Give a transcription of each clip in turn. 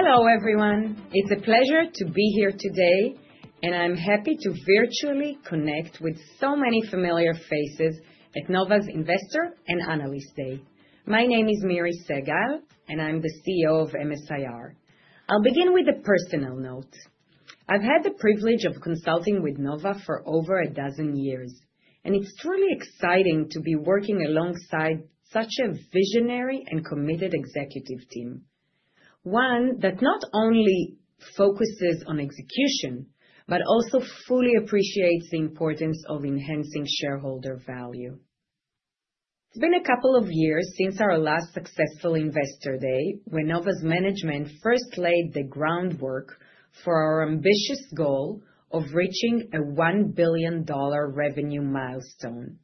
Hello everyone, it's a pleasure to be here today, and I'm happy to virtually connect with so many familiar faces at Nova's Investor and Analyst Day. My name is Miri Segal, and I'm the CEO of MS-IR. I'll begin with a personal note. I've had the privilege of consulting with Nova for over a dozen years, and it's truly exciting to be working alongside such a visionary and committed executive team, one that not only focuses on execution but also fully appreciates the importance of enhancing shareholder value. It's been a couple of years since our last successful Investor Day, when Nova's management first laid the groundwork for our ambitious goal of reaching a $1 billion revenue milestone.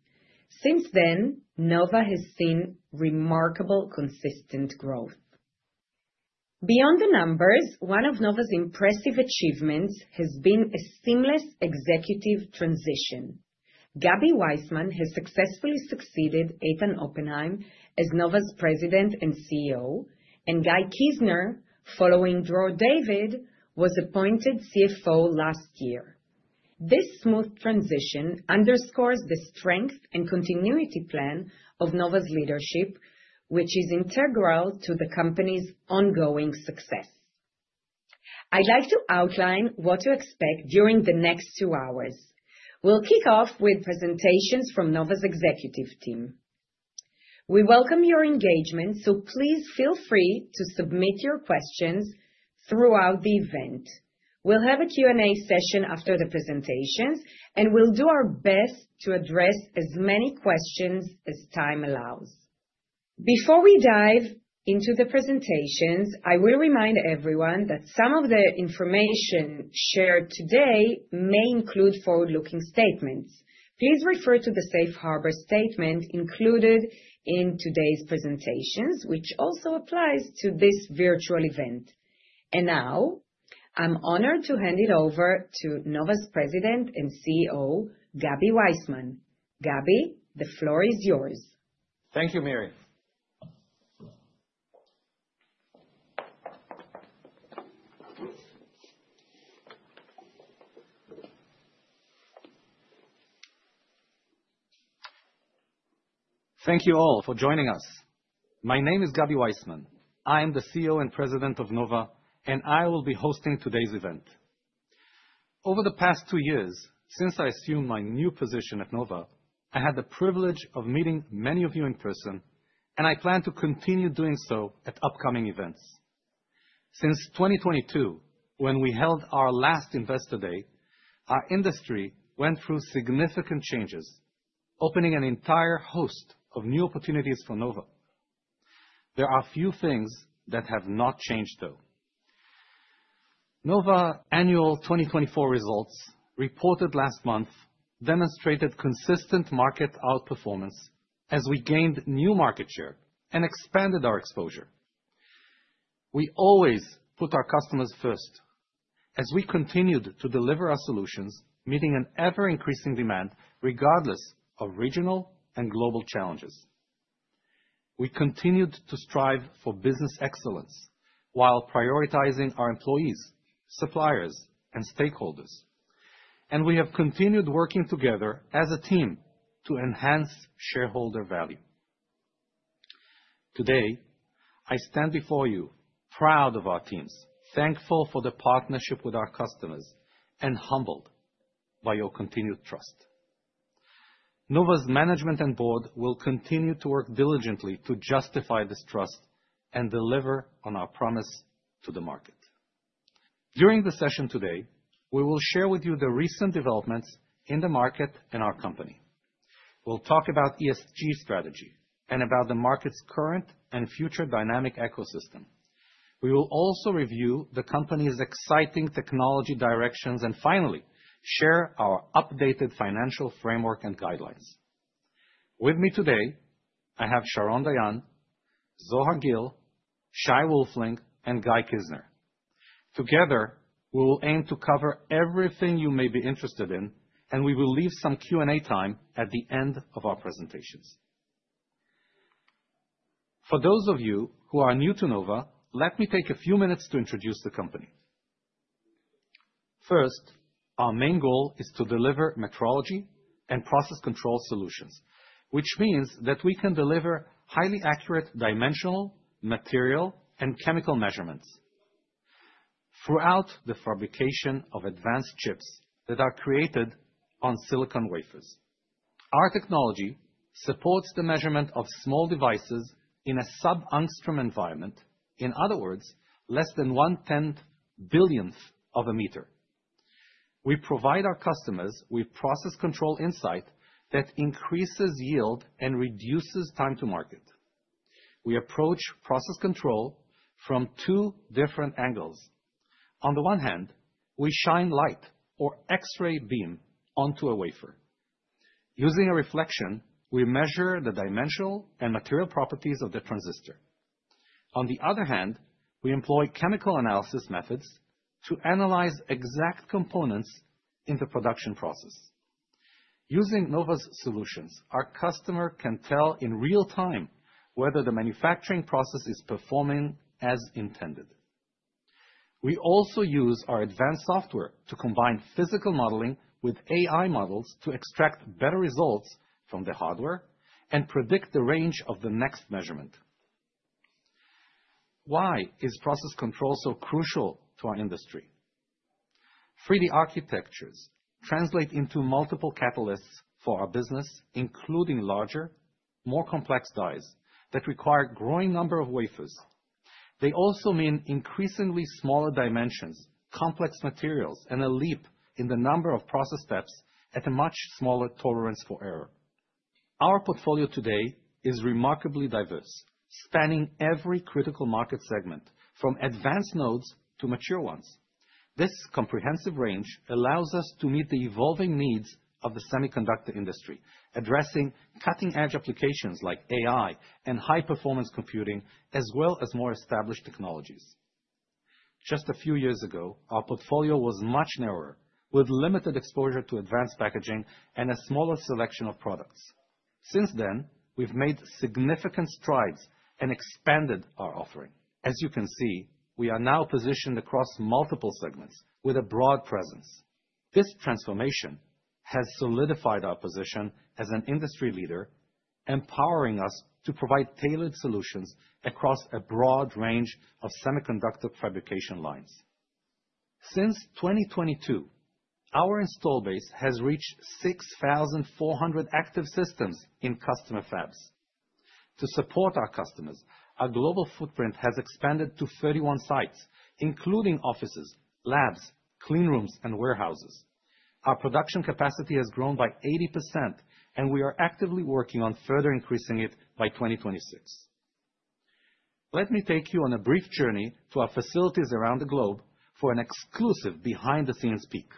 Since then, Nova has seen remarkable consistent growth. Beyond the numbers, one of Nova's impressive achievements has been a seamless executive transition. Gaby Waisman has successfully succeeded Eitan Oppenheim as Nova's President and CEO, and Guy Kizner, following Dror David, was appointed CFO last year. This smooth transition underscores the strength and continuity plan of Nova's leadership, which is integral to the company's ongoing success. I'd like to outline what to expect during the next two hours. We'll kick off with presentations from Nova's executive team. We welcome your engagement, so please feel free to submit your questions throughout the event. We'll have a Q&A session after the presentations, and we'll do our best to address as many questions as time allows. Before we dive into the presentations, I will remind everyone that some of the information shared today may include forward-looking statements. Please refer to the safe harbor statement included in today's presentations, which also applies to this virtual event. Now, I'm honored to hand it over to Nova's President and CEO, Gaby Waisman. Gaby, the floor is yours. Thank you, Miri. Thank you all for joining us. My name is Gaby Waisman. I am the CEO and President of Nova, and I will be hosting today's event. Over the past two years, since I assumed my new position at Nova, I had the privilege of meeting many of you in person, and I plan to continue doing so at upcoming events. Since 2022, when we held our last Investor Day, our industry went through significant changes, opening an entire host of new opportunities for Nova. There are a few things that have not changed, though. Nova's annual 2024 results, reported last month, demonstrated consistent market outperformance as we gained new market share and expanded our exposure. We always put our customers first as we continued to deliver our solutions, meeting an ever-increasing demand, regardless of regional and global challenges. We continued to strive for business excellence while prioritizing our employees, suppliers, and stakeholders, and we have continued working together as a team to enhance shareholder value. Today, I stand before you, proud of our teams, thankful for the partnership with our customers, and humbled by your continued trust. Nova's management and board will continue to work diligently to justify this trust and deliver on our promise to the market. During the session today, we will share with you the recent developments in the market and our company. We'll talk about ESG strategy and about the market's current and future dynamic ecosystem. We will also review the company's exciting technology directions and finally share our updated financial framework and guidelines. With me today, I have Sharon Dayan, Zohar Gil, Shay Wolfling, and Guy Kizner. Together, we will aim to cover everything you may be interested in, and we will leave some Q&A time at the end of our presentations. For those of you who are new to Nova, let me take a few minutes to introduce the company. First, our main goal is to deliver metrology and process control solutions, which means that we can deliver highly accurate dimensional, material, and chemical measurements throughout the fabrication of advanced chips that are created on silicon wafers. Our technology supports the measurement of small devices in a sub-angstrom environment, in other words, less than one-tenth billionth of a meter. We provide our customers with process control insight that increases yield and reduces time to market. We approach process control from two different angles. On the one hand, we shine light, or X-ray beam, onto a wafer. Using a reflection, we measure the dimensional and material properties of the transistor. On the other hand, we employ chemical analysis methods to analyze exact components in the production process. Using Nova's solutions, our customer can tell in real time whether the manufacturing process is performing as intended. We also use our advanced software to combine physical modeling with AI models to extract better results from the hardware and predict the range of the next measurement. Why is process control so crucial to our industry? 3D architectures translate into multiple catalysts for our business, including larger, more complex dies that require a growing number of wafers. They also mean increasingly smaller dimensions, complex materials, and a leap in the number of process steps at a much smaller tolerance for error. Our portfolio today is remarkably diverse, spanning every critical market segment, from advanced nodes to mature ones. This comprehensive range allows us to meet the evolving needs of the semiconductor industry, addressing cutting-edge applications like AI and high-performance computing, as well as more established technologies. Just a few years ago, our portfolio was much narrower, with limited exposure to advanced packaging and a smaller selection of products. Since then, we've made significant strides and expanded our offering. As you can see, we are now positioned across multiple segments with a broad presence. This transformation has solidified our position as an industry leader, empowering us to provide tailored solutions across a broad range of semiconductor fabrication lines. Since 2022, our install base has reached 6,400 active systems in customer fabs. To support our customers, our global footprint has expanded to 31 sites, including offices, labs, cleanrooms, and warehouses. Our production capacity has grown by 80%, and we are actively working on further increasing it by 2026. Let me take you on a brief journey to our facilities around the globe for an exclusive behind-the-scenes peek.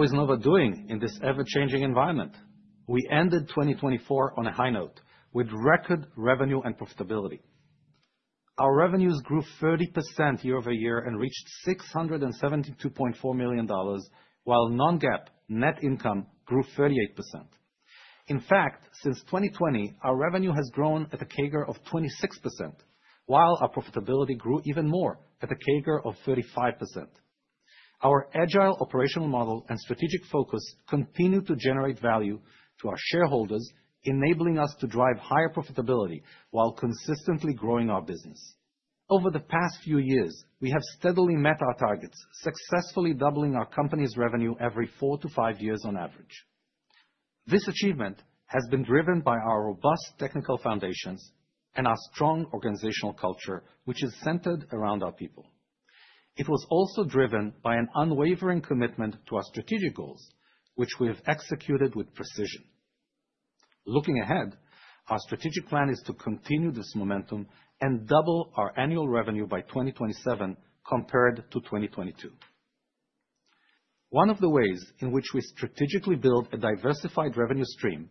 How is Nova doing in this ever-changing environment? We ended 2024 on a high note, with record revenue and profitability. Our revenues grew 30% year over year and reached $672.4 million, while non-GAAP net income grew 38%. In fact, since 2020, our revenue has grown at a CAGR of 26%, while our profitability grew even more at a CAGR of 35%. Our agile operational model and strategic focus continue to generate value to our shareholders, enabling us to drive higher profitability while consistently growing our business. Over the past few years, we have steadily met our targets, successfully doubling our company's revenue every four to five years on average. This achievement has been driven by our robust technical foundations and our strong organizational culture, which is centered around our people. It was also driven by an unwavering commitment to our strategic goals, which we have executed with precision. Looking ahead, our strategic plan is to continue this momentum and double our annual revenue by 2027 compared to 2022. One of the ways in which we strategically build a diversified revenue stream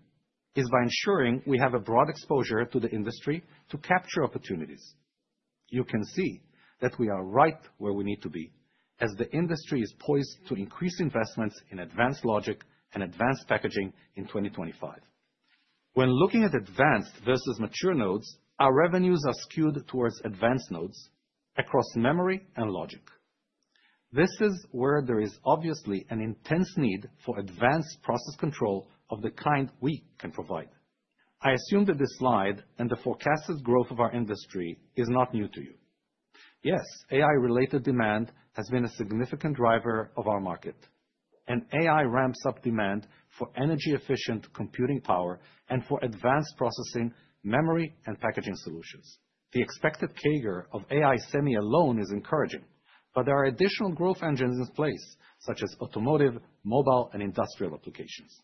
is by ensuring we have a broad exposure to the industry to capture opportunities. You can see that we are right where we need to be, as the industry is poised to increase investments in advanced logic and advanced packaging in 2025. When looking at advanced versus mature nodes, our revenues are skewed towards advanced nodes across memory and logic. This is where there is obviously an intense need for advanced process control of the kind we can provide. I assume that this slide and the forecasted growth of our industry is not new to you. Yes, AI-related demand has been a significant driver of our market, and AI ramps up demand for energy-efficient computing power and for advanced processing, memory, and packaging solutions. The expected CAGR of AI Semi alone is encouraging, but there are additional growth engines in place, such as automotive, mobile, and industrial applications.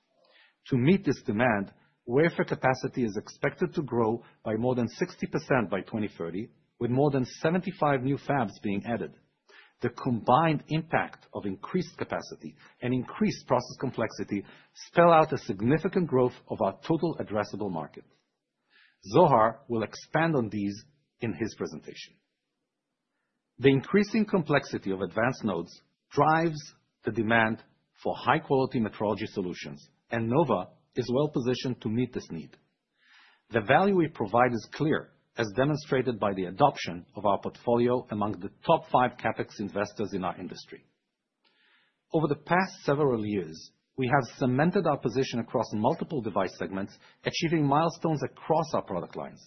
To meet this demand, wafer capacity is expected to grow by more than 60% by 2030, with more than 75 new fabs being added. The combined impact of increased capacity and increased process complexity spells out a significant growth of our total addressable market. Zohar will expand on these in his presentation. The increasing complexity of advanced nodes drives the demand for high-quality metrology solutions, and Nova is well-positioned to meet this need. The value we provide is clear, as demonstrated by the adoption of our portfolio among the top five CapEx investors in our industry. Over the past several years, we have cemented our position across multiple device segments, achieving milestones across our product lines.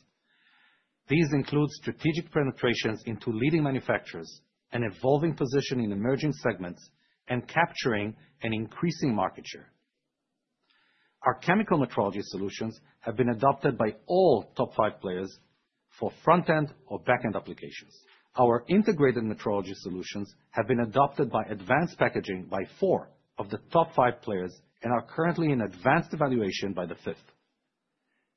These include strategic penetrations into leading manufacturers, an evolving position in emerging segments, and capturing an increasing market share. Our chemical metrology solutions have been adopted by all top five players for front-end or back-end applications. Our integrated metrology solutions have been adopted by advanced packaging by four of the top five players and are currently in advanced evaluation by the fifth.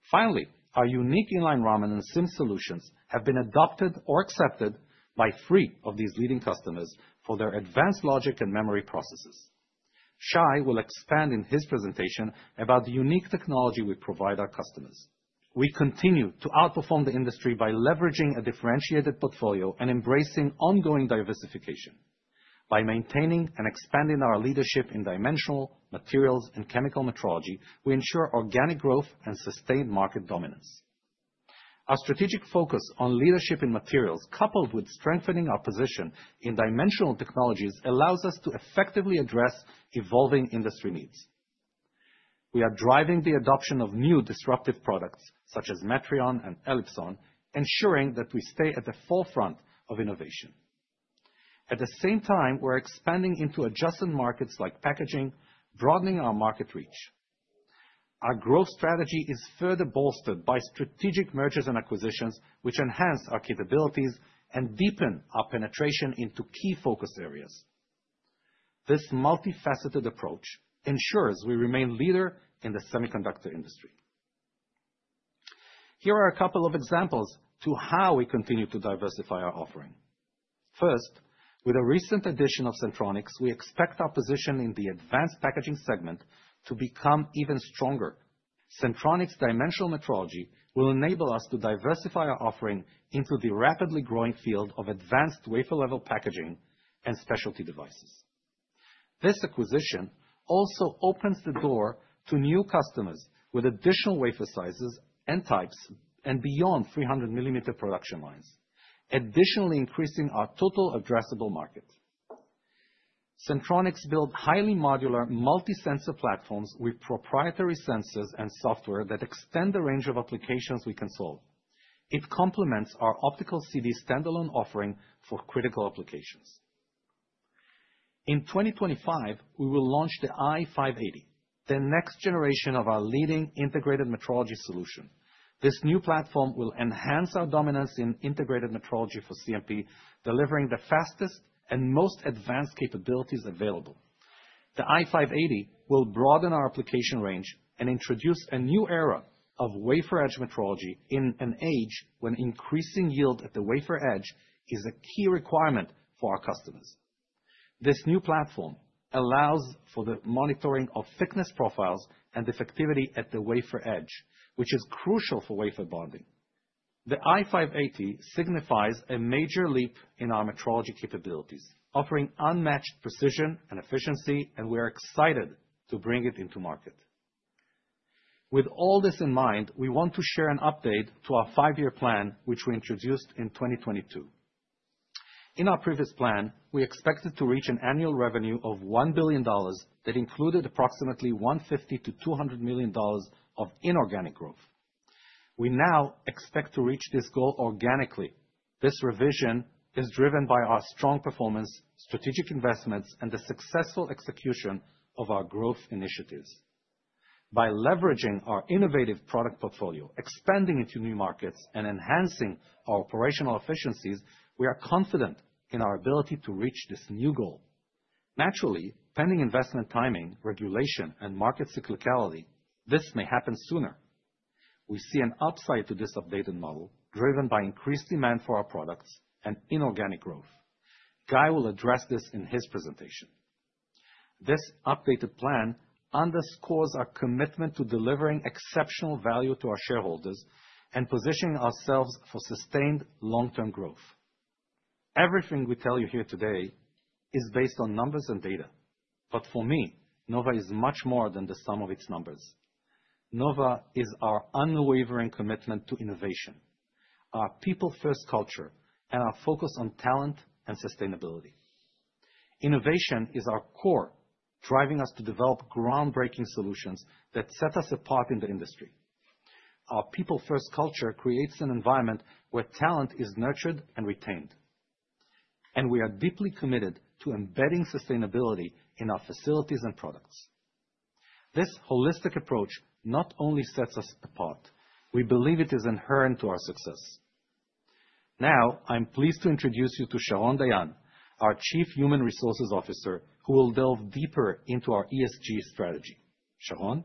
Finally, our unique inline Raman and SIMS solutions have been adopted or accepted by three of these leading customers for their advanced logic and memory processes. Shay will expand in his presentation about the unique technology we provide our customers. We continue to outperform the industry by leveraging a differentiated portfolio and embracing ongoing diversification. By maintaining and expanding our leadership in dimensional, materials, and chemical metrology, we ensure organic growth and sustained market dominance. Our strategic focus on leadership in materials, coupled with strengthening our position in dimensional technologies, allows us to effectively address evolving industry needs. We are driving the adoption of new disruptive products, such as Metrion and Elipson, ensuring that we stay at the forefront of innovation. At the same time, we're expanding into adjacent markets like packaging, broadening our market reach. Our growth strategy is further bolstered by strategic mergers and acquisitions, which enhance our capabilities and deepen our penetration into key focus areas. This multifaceted approach ensures we remain a leader in the semiconductor industry. Here are a couple of examples of how we continue to diversify our offering. First, with a recent addition of Sentronics, we expect our position in the advanced packaging segment to become even stronger. Sentronics' dimensional metrology will enable us to diversify our offering into the rapidly growing field of advanced wafer-level packaging and specialty devices. This acquisition also opens the door to new customers with additional wafer sizes and types and beyond 300-millimeter production lines, additionally increasing our total addressable market. Sentronics builds highly modular, multi-sensor platforms with proprietary sensors and software that extend the range of applications we can solve. It complements our optical CD standalone offering for critical applications. In 2025, we will launch the i580, the next generation of our leading integrated metrology solution. This new platform will enhance our dominance in integrated metrology for CMP, delivering the fastest and most advanced capabilities available. The i580 will broaden our application range and introduce a new era of wafer edge metrology in an age when increasing yield at the wafer edge is a key requirement for our customers. This new platform allows for the monitoring of thickness profiles and effectivity at the wafer edge, which is crucial for wafer bonding. The i580 signifies a major leap in our metrology capabilities, offering unmatched precision and efficiency, and we are excited to bring it into market. With all this in mind, we want to share an update to our five-year plan, which we introduced in 2022. In our previous plan, we expected to reach an annual revenue of $1 billion that included approximately $150 million-$200 million of inorganic growth. We now expect to reach this goal organically. This revision is driven by our strong performance, strategic investments, and the successful execution of our growth initiatives. By leveraging our innovative product portfolio, expanding into new markets, and enhancing our operational efficiencies, we are confident in our ability to reach this new goal. Naturally, pending investment timing, regulation, and market cyclicality, this may happen sooner. We see an upside to this updated model, driven by increased demand for our products and inorganic growth. Guy will address this in his presentation. This updated plan underscores our commitment to delivering exceptional value to our shareholders and positioning ourselves for sustained long-term growth. Everything we tell you here today is based on numbers and data, but for me, Nova is much more than the sum of its numbers. Nova is our unwavering commitment to innovation, our people-first culture, and our focus on talent and sustainability. Innovation is our core, driving us to develop groundbreaking solutions that set us apart in the industry. Our people-first culture creates an environment where talent is nurtured and retained, and we are deeply committed to embedding sustainability in our facilities and products. This holistic approach not only sets us apart, we believe it is inherent to our success. Now, I'm pleased to introduce you to Sharon Dayan, our Chief Human Resources Officer, who will delve deeper into our ESG strategy. Sharon?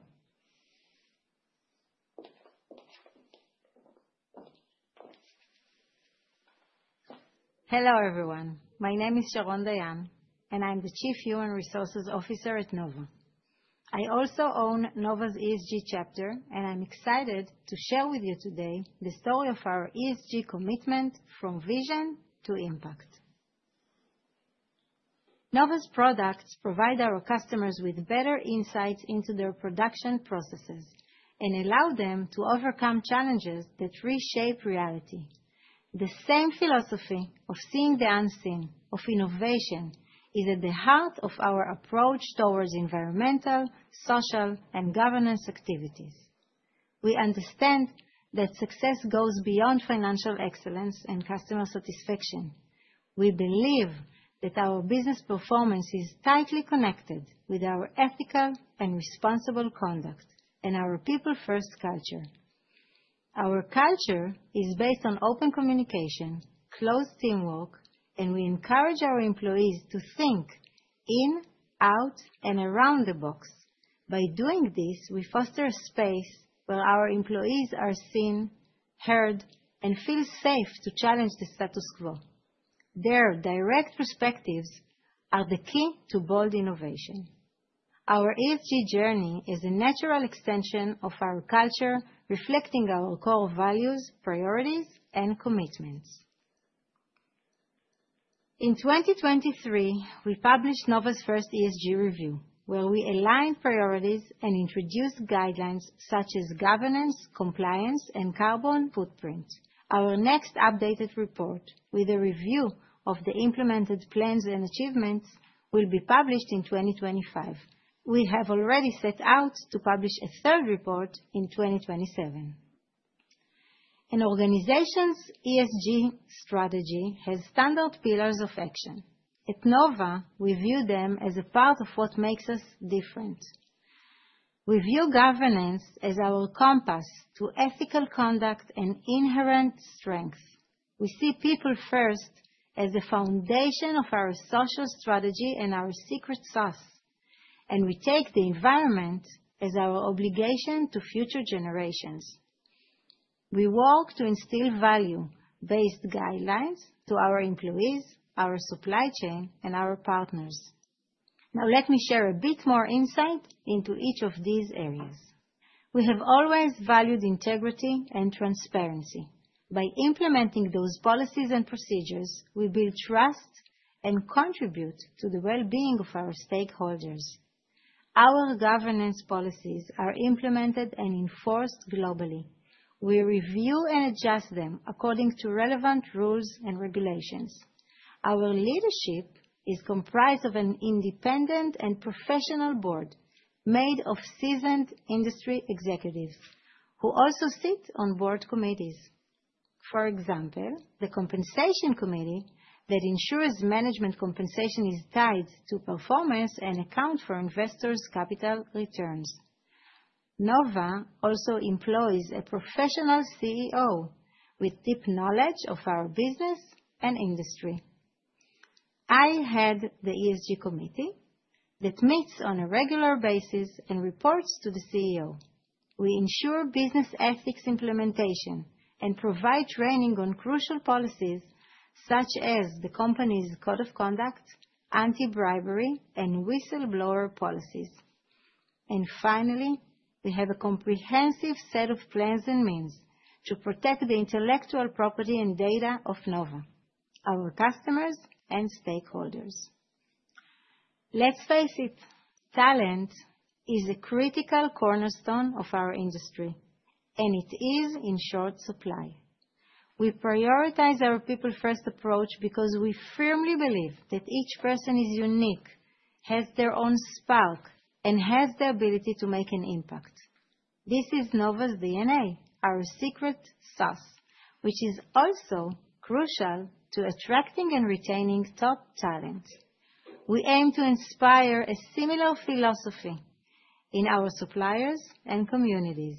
Hello everyone. My name is Sharon Dayan, and I'm the Chief Human Resources Officer at Nova. I also own Nova's ESG chapter, and I'm excited to share with you today the story of our ESG commitment from vision to impact. Nova's products provide our customers with better insights into their production processes and allow them to overcome challenges that reshape reality. The same philosophy of seeing the unseen, of innovation, is at the heart of our approach towards environmental, social, and governance activities. We understand that success goes beyond financial excellence and customer satisfaction. We believe that our business performance is tightly connected with our ethical and responsible conduct and our people-first culture. Our culture is based on open communication, close teamwork, and we encourage our employees to think in, out, and around the box. By doing this, we foster a space where our employees are seen, heard, and feel safe to challenge the status quo. Their direct perspectives are the key to bold innovation. Our ESG journey is a natural extension of our culture, reflecting our core values, priorities, and commitments. In 2023, we published Nova's first ESG review, where we aligned priorities and introduced guidelines such as governance, compliance, and carbon footprint. Our next updated report, with a review of the implemented plans and achievements, will be published in 2025. We have already set out to publish a third report in 2027. An organization's ESG strategy has standard pillars of action. At Nova, we view them as a part of what makes us different. We view governance as our compass to ethical conduct and inherent strength. We see people first as the foundation of our social strategy and our secret sauce, and we take the environment as our obligation to future generations. We work to instill value-based guidelines to our employees, our supply chain, and our partners. Now, let me share a bit more insight into each of these areas. We have always valued integrity and transparency. By implementing those policies and procedures, we build trust and contribute to the well-being of our stakeholders. Our governance policies are implemented and enforced globally. We review and adjust them according to relevant rules and regulations. Our leadership is comprised of an independent and professional board made of seasoned industry executives who also sit on board committees. For example, the compensation committee that ensures management compensation is tied to performance and accounts for investors' capital returns. Nova also employs a professional CEO with deep knowledge of our business and industry. I head the ESG committee that meets on a regular basis and reports to the CEO. We ensure business ethics implementation and provide training on crucial policies such as the company's code of conduct, anti-bribery, and whistleblower policies. Finally, we have a comprehensive set of plans and means to protect the intellectual property and data of Nova, our customers and stakeholders. Let's face it, talent is a critical cornerstone of our industry, and it is in short supply. We prioritize our people-first approach because we firmly believe that each person is unique, has their own spark, and has the ability to make an impact. This is Nova's DNA, our secret sauce, which is also crucial to attracting and retaining top talent. We aim to inspire a similar philosophy in our suppliers and communities.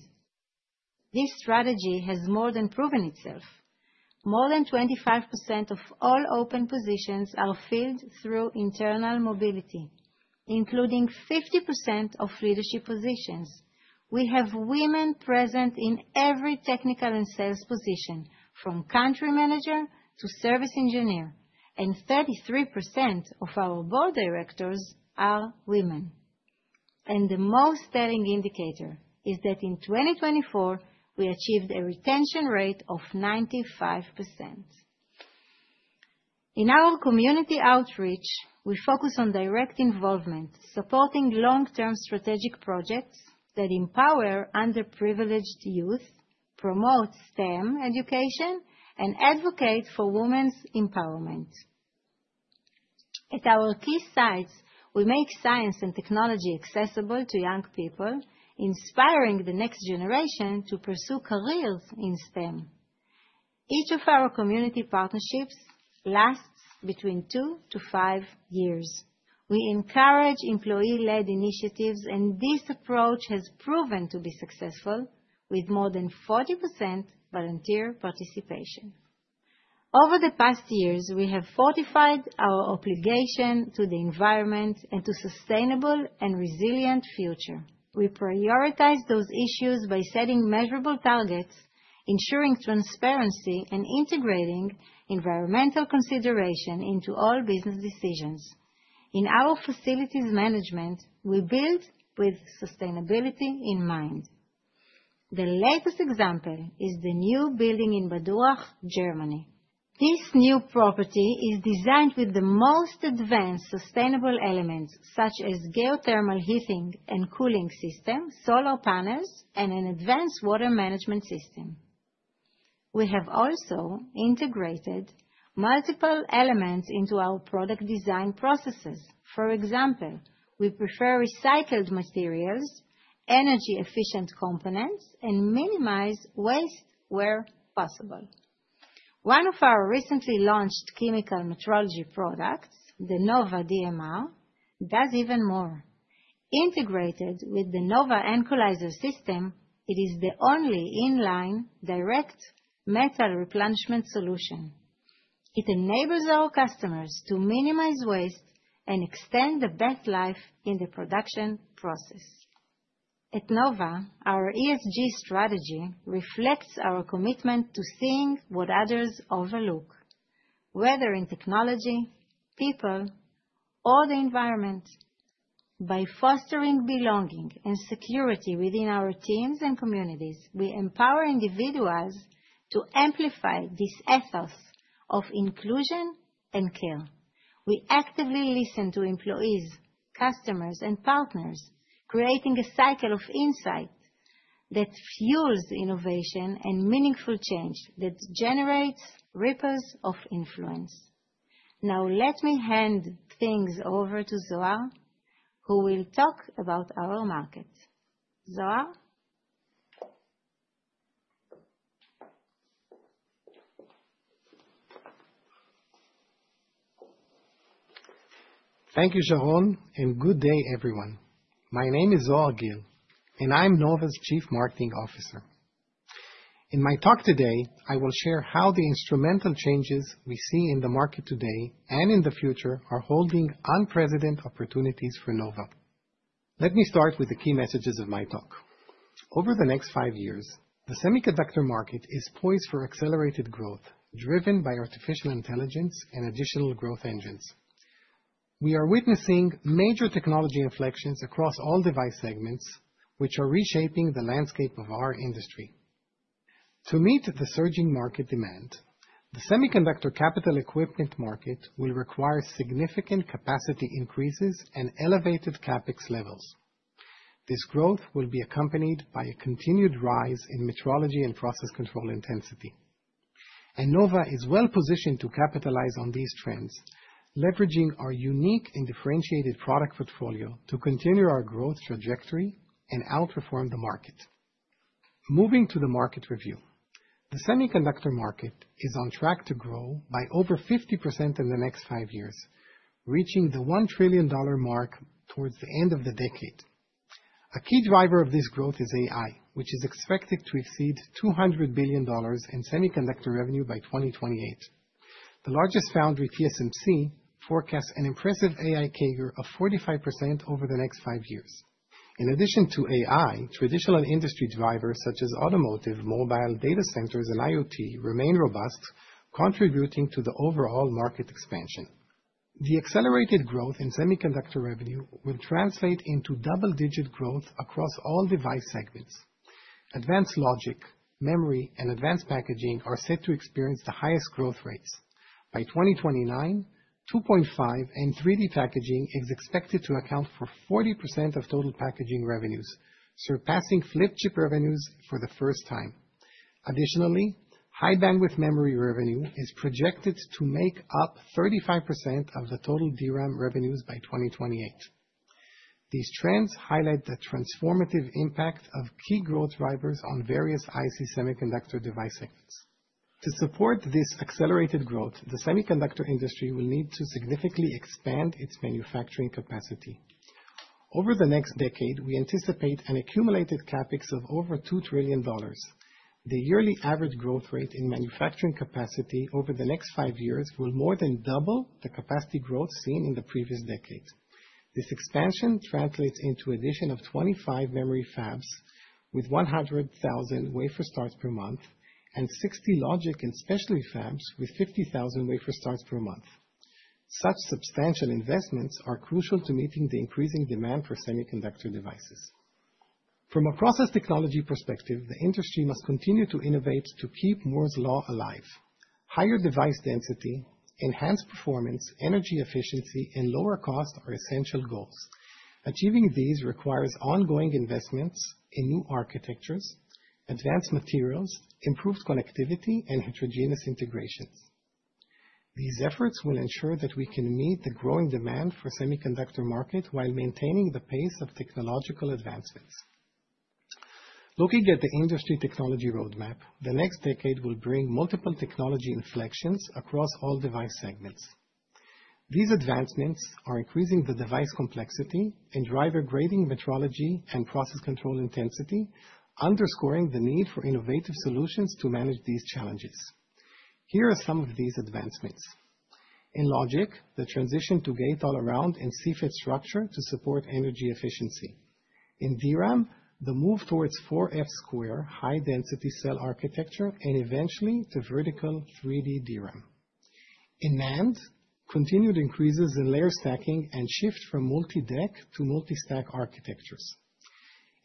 This strategy has more than proven itself. More than 25% of all open positions are filled through internal mobility, including 50% of leadership positions. We have women present in every technical and sales position, from country manager to service engineer, and 33% of our board directors are women. The most telling indicator is that in 2024, we achieved a retention rate of 95%. In our community outreach, we focus on direct involvement, supporting long-term strategic projects that empower underprivileged youth, promote STEM education, and advocate for women's empowerment. At our key sites, we make science and technology accessible to young people, inspiring the next generation to pursue careers in STEM. Each of our community partnerships lasts between two to five years. We encourage employee-led initiatives, and this approach has proven to be successful, with more than 40% volunteer participation. Over the past years, we have fortified our obligation to the environment and to a sustainable and resilient future. We prioritize those issues by setting measurable targets, ensuring transparency, and integrating environmental consideration into all business decisions. In our facilities management, we build with sustainability in mind. The latest example is the new building in Bad Urach, Germany. This new property is designed with the most advanced sustainable elements, such as geothermal heating and cooling systems, solar panels, and an advanced water management system. We have also integrated multiple elements into our product design processes. For example, we prefer recycled materials, energy-efficient components, and minimize waste where possible. One of our recently launched chemical metrology products, the Nova DMR, does even more. Integrated with the Nova Equalizer system, it is the only inline direct metal replenishment solution. It enables our customers to minimize waste and extend the batch life in the production process. At Nova, our ESG strategy reflects our commitment to seeing what others overlook, whether in technology, people, or the environment. By fostering belonging and security within our teams and communities, we empower individuals to amplify this ethos of inclusion and care. We actively listen to employees, customers, and partners, creating a cycle of insight that fuels innovation and meaningful change that generates ripples of influence. Now, let me hand things over to Zohar, who will talk about our market. Zohar? Thank you, Sharon, and good day, everyone. My name is Zohar Gil, and I'm Nova's Chief Marketing Officer. In my talk today, I will share how the instrumental changes we see in the market today and in the future are holding unprecedented opportunities for Nova. Let me start with the key messages of my talk. Over the next five years, the semiconductor market is poised for accelerated growth driven by artificial intelligence and additional growth engines. We are witnessing major technology inflections across all device segments, which are reshaping the landscape of our industry. To meet the surging market demand, the semiconductor capital equipment market will require significant capacity increases and elevated CapEx levels. This growth will be accompanied by a continued rise in metrology and process control intensity. Nova is well positioned to capitalize on these trends, leveraging our unique and differentiated product portfolio to continue our growth trajectory and outperform the market. Moving to the market review, the semiconductor market is on track to grow by over 50% in the next five years, reaching the $1 trillion mark towards the end of the decade. A key driver of this growth is AI, which is expected to exceed $200 billion in semiconductor revenue by 2028. The largest foundry, TSMC, forecasts an impressive AI CAGR of 45% over the next five years. In addition to AI, traditional industry drivers such as automotive, mobile, data centers, and IoT remain robust, contributing to the overall market expansion. The accelerated growth in semiconductor revenue will translate into double-digit growth across all device segments. Advanced logic, memory, and advanced packaging are set to experience the highest growth rates. By 2029, 2.5D and 3D packaging is expected to account for 40% of total packaging revenues, surpassing flip chip revenues for the first time. Additionally, high bandwidth memory revenue is projected to make up 35% of the total DRAM revenues by 2028. These trends highlight the transformative impact of key growth drivers on various IC semiconductor device segments. To support this accelerated growth, the semiconductor industry will need to significantly expand its manufacturing capacity. Over the next decade, we anticipate an accumulated CapEx of over $2 trillion. The yearly average growth rate in manufacturing capacity over the next five years will more than double the capacity growth seen in the previous decade. This expansion translates into the addition of 25 memory fabs with 100,000 wafer starts per month and 60 logic and specialty fabs with 50,000 wafer starts per month. Such substantial investments are crucial to meeting the increasing demand for semiconductor devices. From a process technology perspective, the industry must continue to innovate to keep Moore's Law alive. Higher device density, enhanced performance, energy efficiency, and lower costs are essential goals. Achieving these requires ongoing investments in new architectures, advanced materials, improved connectivity, and heterogeneous integrations. These efforts will ensure that we can meet the growing demand for the semiconductor market while maintaining the pace of technological advancements. Looking at the industry technology roadmap, the next decade will bring multiple technology inflections across all device segments. These advancements are increasing the device complexity and driving greater metrology and process control intensity, underscoring the need for innovative solutions to manage these challenges. Here are some of these advancements. In logic, the transition to gate-all-around and CFET structure to support energy efficiency. In DRAM, the move towards 4F square high-density cell architecture and eventually to vertical 3D DRAM. In NAND, continued increases in layer stacking and shift from multi-deck to multi-stack architectures.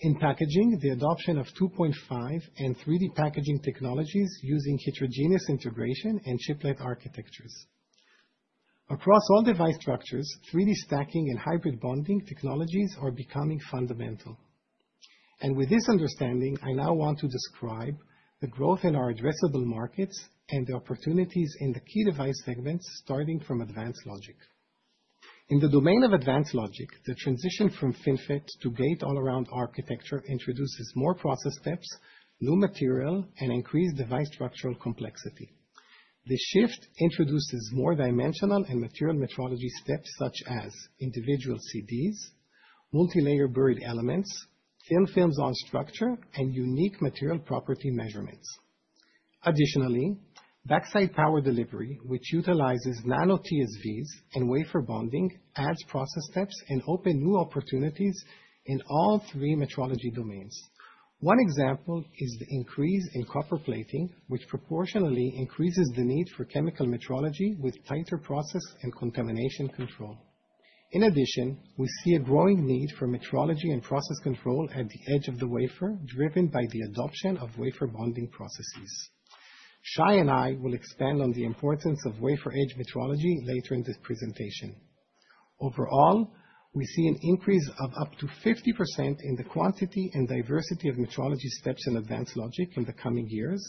In packaging, the adoption of 2.5D and 3D packaging technologies using heterogeneous integration and chiplet architectures is accelerating. Across all device structures, 3D stacking and hybrid bonding technologies are becoming fundamental. With this understanding, I now want to describe the growth in our addressable markets and the opportunities in the key device segments starting from advanced logic. In the domain of advanced logic, the transition from FinFET to gate-all-around architecture introduces more process steps, new material, and increased device structural complexity. The shift introduces more dimensional and material metrology steps such as individual CDs, multi-layer buried elements, thin films on structure, and unique material property measurements. Additionally, backside power delivery, which utilizes nano TSVs and wafer bonding, adds process steps and opens new opportunities in all three metrology domains. One example is the increase in copper plating, which proportionally increases the need for chemical metrology with tighter process and contamination control. In addition, we see a growing need for metrology and process control at the edge of the wafer, driven by the adoption of wafer bonding processes. Shay and I will expand on the importance of wafer edge metrology later in this presentation. Overall, we see an increase of up to 50% in the quantity and diversity of metrology steps in advanced logic in the coming years,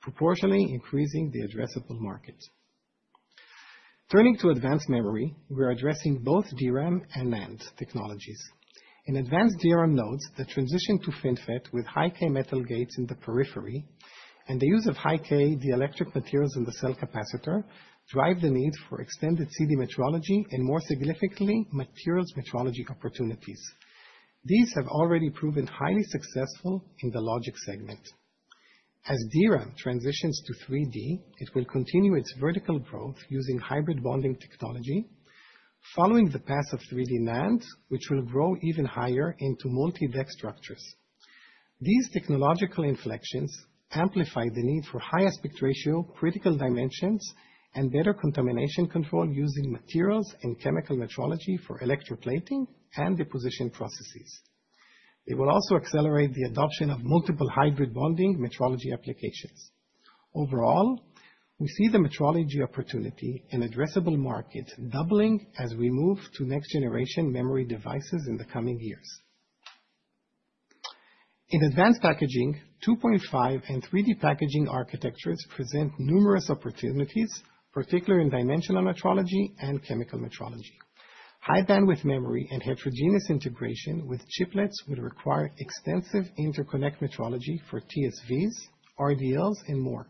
proportionally increasing the addressable market. Turning to advanced memory, we're addressing both DRAM and NAND technologies. In advanced DRAM nodes, the transition to FinFET with high K metal gates in the periphery and the use of high-k dielectric materials in the cell capacitor drive the need for extended CD metrology and more significantly materials metrology opportunities. These have already proven highly successful in the logic segment. As DRAM transitions to 3D, it will continue its vertical growth using hybrid bonding technology, following the path of 3D NAND, which will grow even higher into multi-deck structures. These technological inflections amplify the need for high aspect ratio, critical dimensions, and better contamination control using materials and chemical metrology for electroplating and deposition processes. It will also accelerate the adoption of multiple hybrid bonding metrology applications. Overall, we see the metrology opportunity and addressable market doubling as we move to next-generation memory devices in the coming years. In advanced packaging, 2.5D and 3D packaging architectures present numerous opportunities, particularly in dimensional metrology and chemical metrology. High bandwidth memory and heterogeneous integration with chiplets will require extensive interconnect metrology for TSVs, RDLs, and more.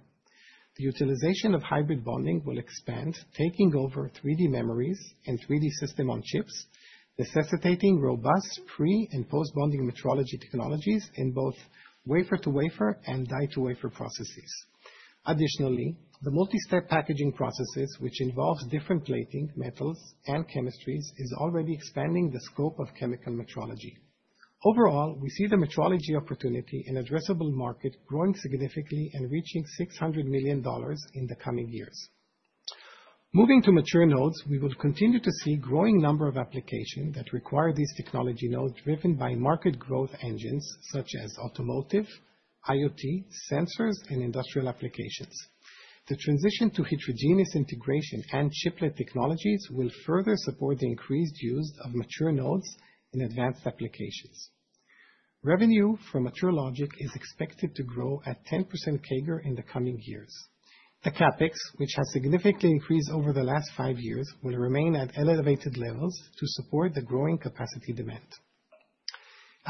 The utilization of hybrid bonding will expand, taking over 3D memories and 3D system on chips, necessitating robust pre- and post-bonding metrology technologies in both wafer-to-wafer and die-to-wafer processes. Additionally, the multi-step packaging processes, which involve different plating, metals, and chemistries, are already expanding the scope of chemical metrology. Overall, we see the metrology opportunity and addressable market growing significantly and reaching $600 million in the coming years. Moving to mature nodes, we will continue to see a growing number of applications that require these technology nodes driven by market growth engines such as automotive, IoT, sensors, and industrial applications. The transition to heterogeneous integration and chiplet technologies will further support the increased use of mature nodes in advanced applications. Revenue from mature logic is expected to grow at 10% CAGR in the coming years. The CapEx, which has significantly increased over the last five years, will remain at elevated levels to support the growing capacity demand.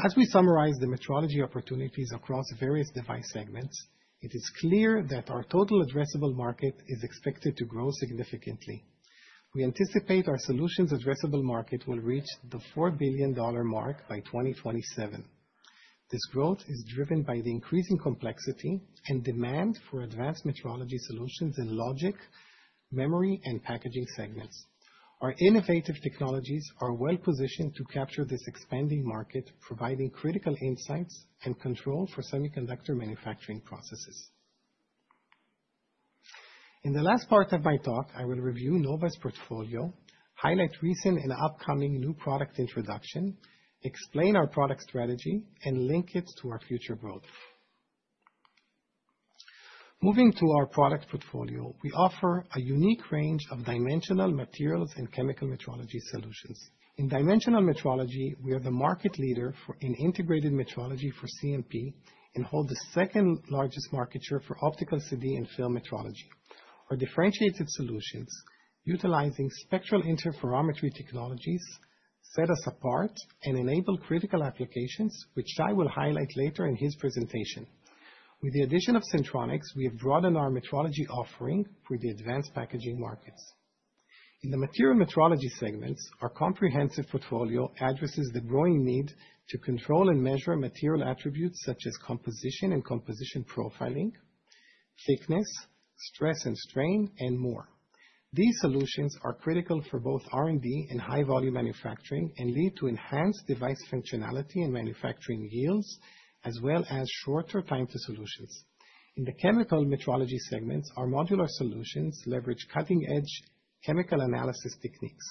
As we summarize the metrology opportunities across various device segments, it is clear that our total addressable market is expected to grow significantly. We anticipate our solutions' addressable market will reach the $4 billion mark by 2027. This growth is driven by the increasing complexity and demand for advanced metrology solutions in logic, memory, and packaging segments. Our innovative technologies are well positioned to capture this expanding market, providing critical insights and control for semiconductor manufacturing processes. In the last part of my talk, I will review Nova's portfolio, highlight recent and upcoming new product introduction, explain our product strategy, and link it to our future growth. Moving to our product portfolio, we offer a unique range of dimensional materials and chemical metrology solutions. In dimensional metrology, we are the market leader in integrated metrology for CMP and hold the second largest market share for optical CD and film metrology. Our differentiated solutions, utilizing spectral interferometry technologies, set us apart and enable critical applications, which Shay will highlight later in his presentation. With the addition of Sentronics, we have broadened our metrology offering for the advanced packaging markets. In the material metrology segments, our comprehensive portfolio addresses the growing need to control and measure material attributes such as composition and composition profiling, thickness, stress and strain, and more. These solutions are critical for both R&D and high-volume manufacturing and lead to enhanced device functionality and manufacturing yields, as well as shorter time to solutions. In the chemical metrology segments, our modular solutions leverage cutting-edge chemical analysis techniques.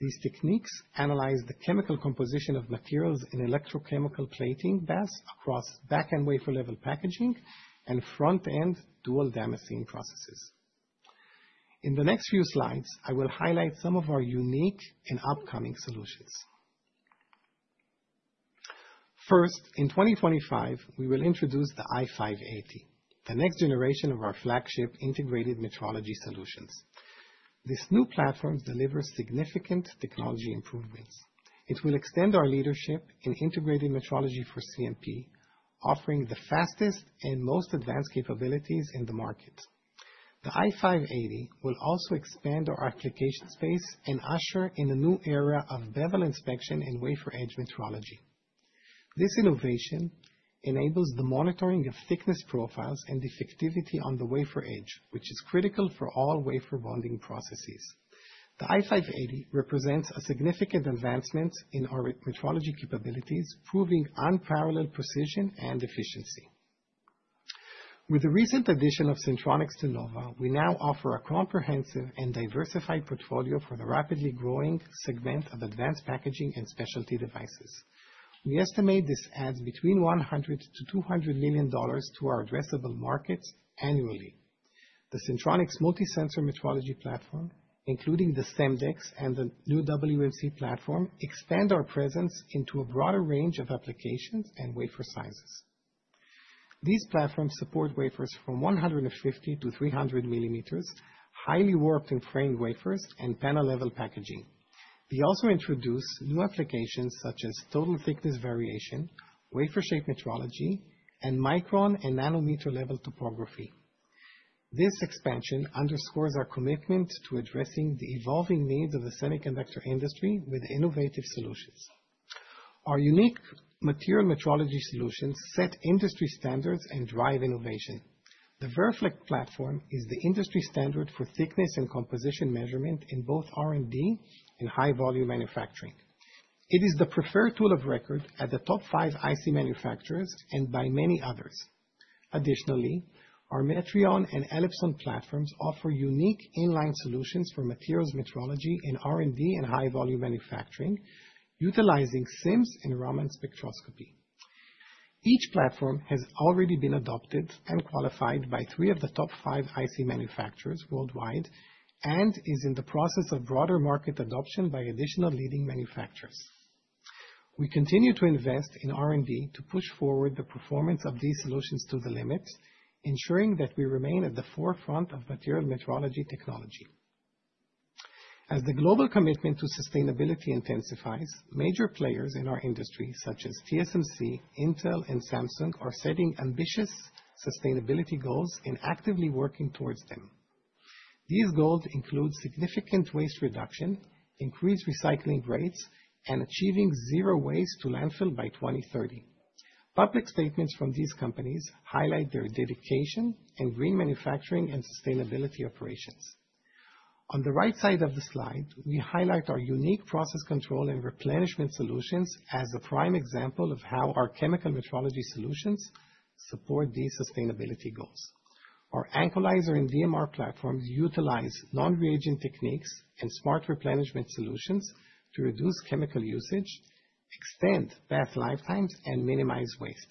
These techniques analyze the chemical composition of materials in electrochemical plating baths across back-end wafer-level packaging and front-end dual damascene processes. In the next few slides, I will highlight some of our unique and upcoming solutions. First, in 2025, we will introduce the i580, the next generation of our flagship integrated metrology solutions. This new platform delivers significant technology improvements. It will extend our leadership in integrated metrology for CMP, offering the fastest and most advanced capabilities in the market. The i580 will also expand our application space and usher in a new era of bevel inspection in wafer edge metrology. This innovation enables the monitoring of thickness profiles and effectivity on the wafer edge, which is critical for all wafer bonding processes. The i580 represents a significant advancement in our metrology capabilities, providing unparalleled precision and efficiency. With the recent addition of Sentronics to Nova, we now offer a comprehensive and diversified portfolio for the rapidly growing segment of advanced packaging and specialty devices. We estimate this adds between $100 million-$200 million to our addressable markets annually. The Sentronics multi-sensor metrology platform, including the SemDex and the new WMC platform, expands our presence into a broader range of applications and wafer sizes. These platforms support wafers from 150 to 300 millimeters, highly warped and framed wafers, and panel-level packaging. They also introduce new applications such as total thickness variation, wafer-shape metrology, and micron and nanometer-level topography. This expansion underscores our commitment to addressing the evolving needs of the semiconductor industry with innovative solutions. Our unique material metrology solutions set industry standards and drive innovation. The VeraFlex platform is the industry standard for thickness and composition measurement in both R&D and high-volume manufacturing. It is the preferred tool of record at the top five IC manufacturers and by many others. Additionally, our Metrion and Elipson platforms offer unique inline solutions for materials metrology in R&D and high-volume manufacturing, utilizing SIMS and Raman spectroscopy. Each platform has already been adopted and qualified by three of the top five IC manufacturers worldwide and is in the process of broader market adoption by additional leading manufacturers. We continue to invest in R&D to push forward the performance of these solutions to the limit, ensuring that we remain at the forefront of material metrology technology. As the global commitment to sustainability intensifies, major players in our industry, such as TSMC, Intel, and Samsung, are setting ambitious sustainability goals and actively working towards them. These goals include significant waste reduction, increased recycling rates, and achieving zero waste to landfill by 2030. Public statements from these companies highlight their dedication and green manufacturing and sustainability operations. On the right side of the slide, we highlight our unique process control and replenishment solutions as a prime example of how our chemical metrology solutions support these sustainability goals. Our Equalizer and DMR platforms utilize non-reagent techniques and smart replenishment solutions to reduce chemical usage, extend bath lifetimes, and minimize waste.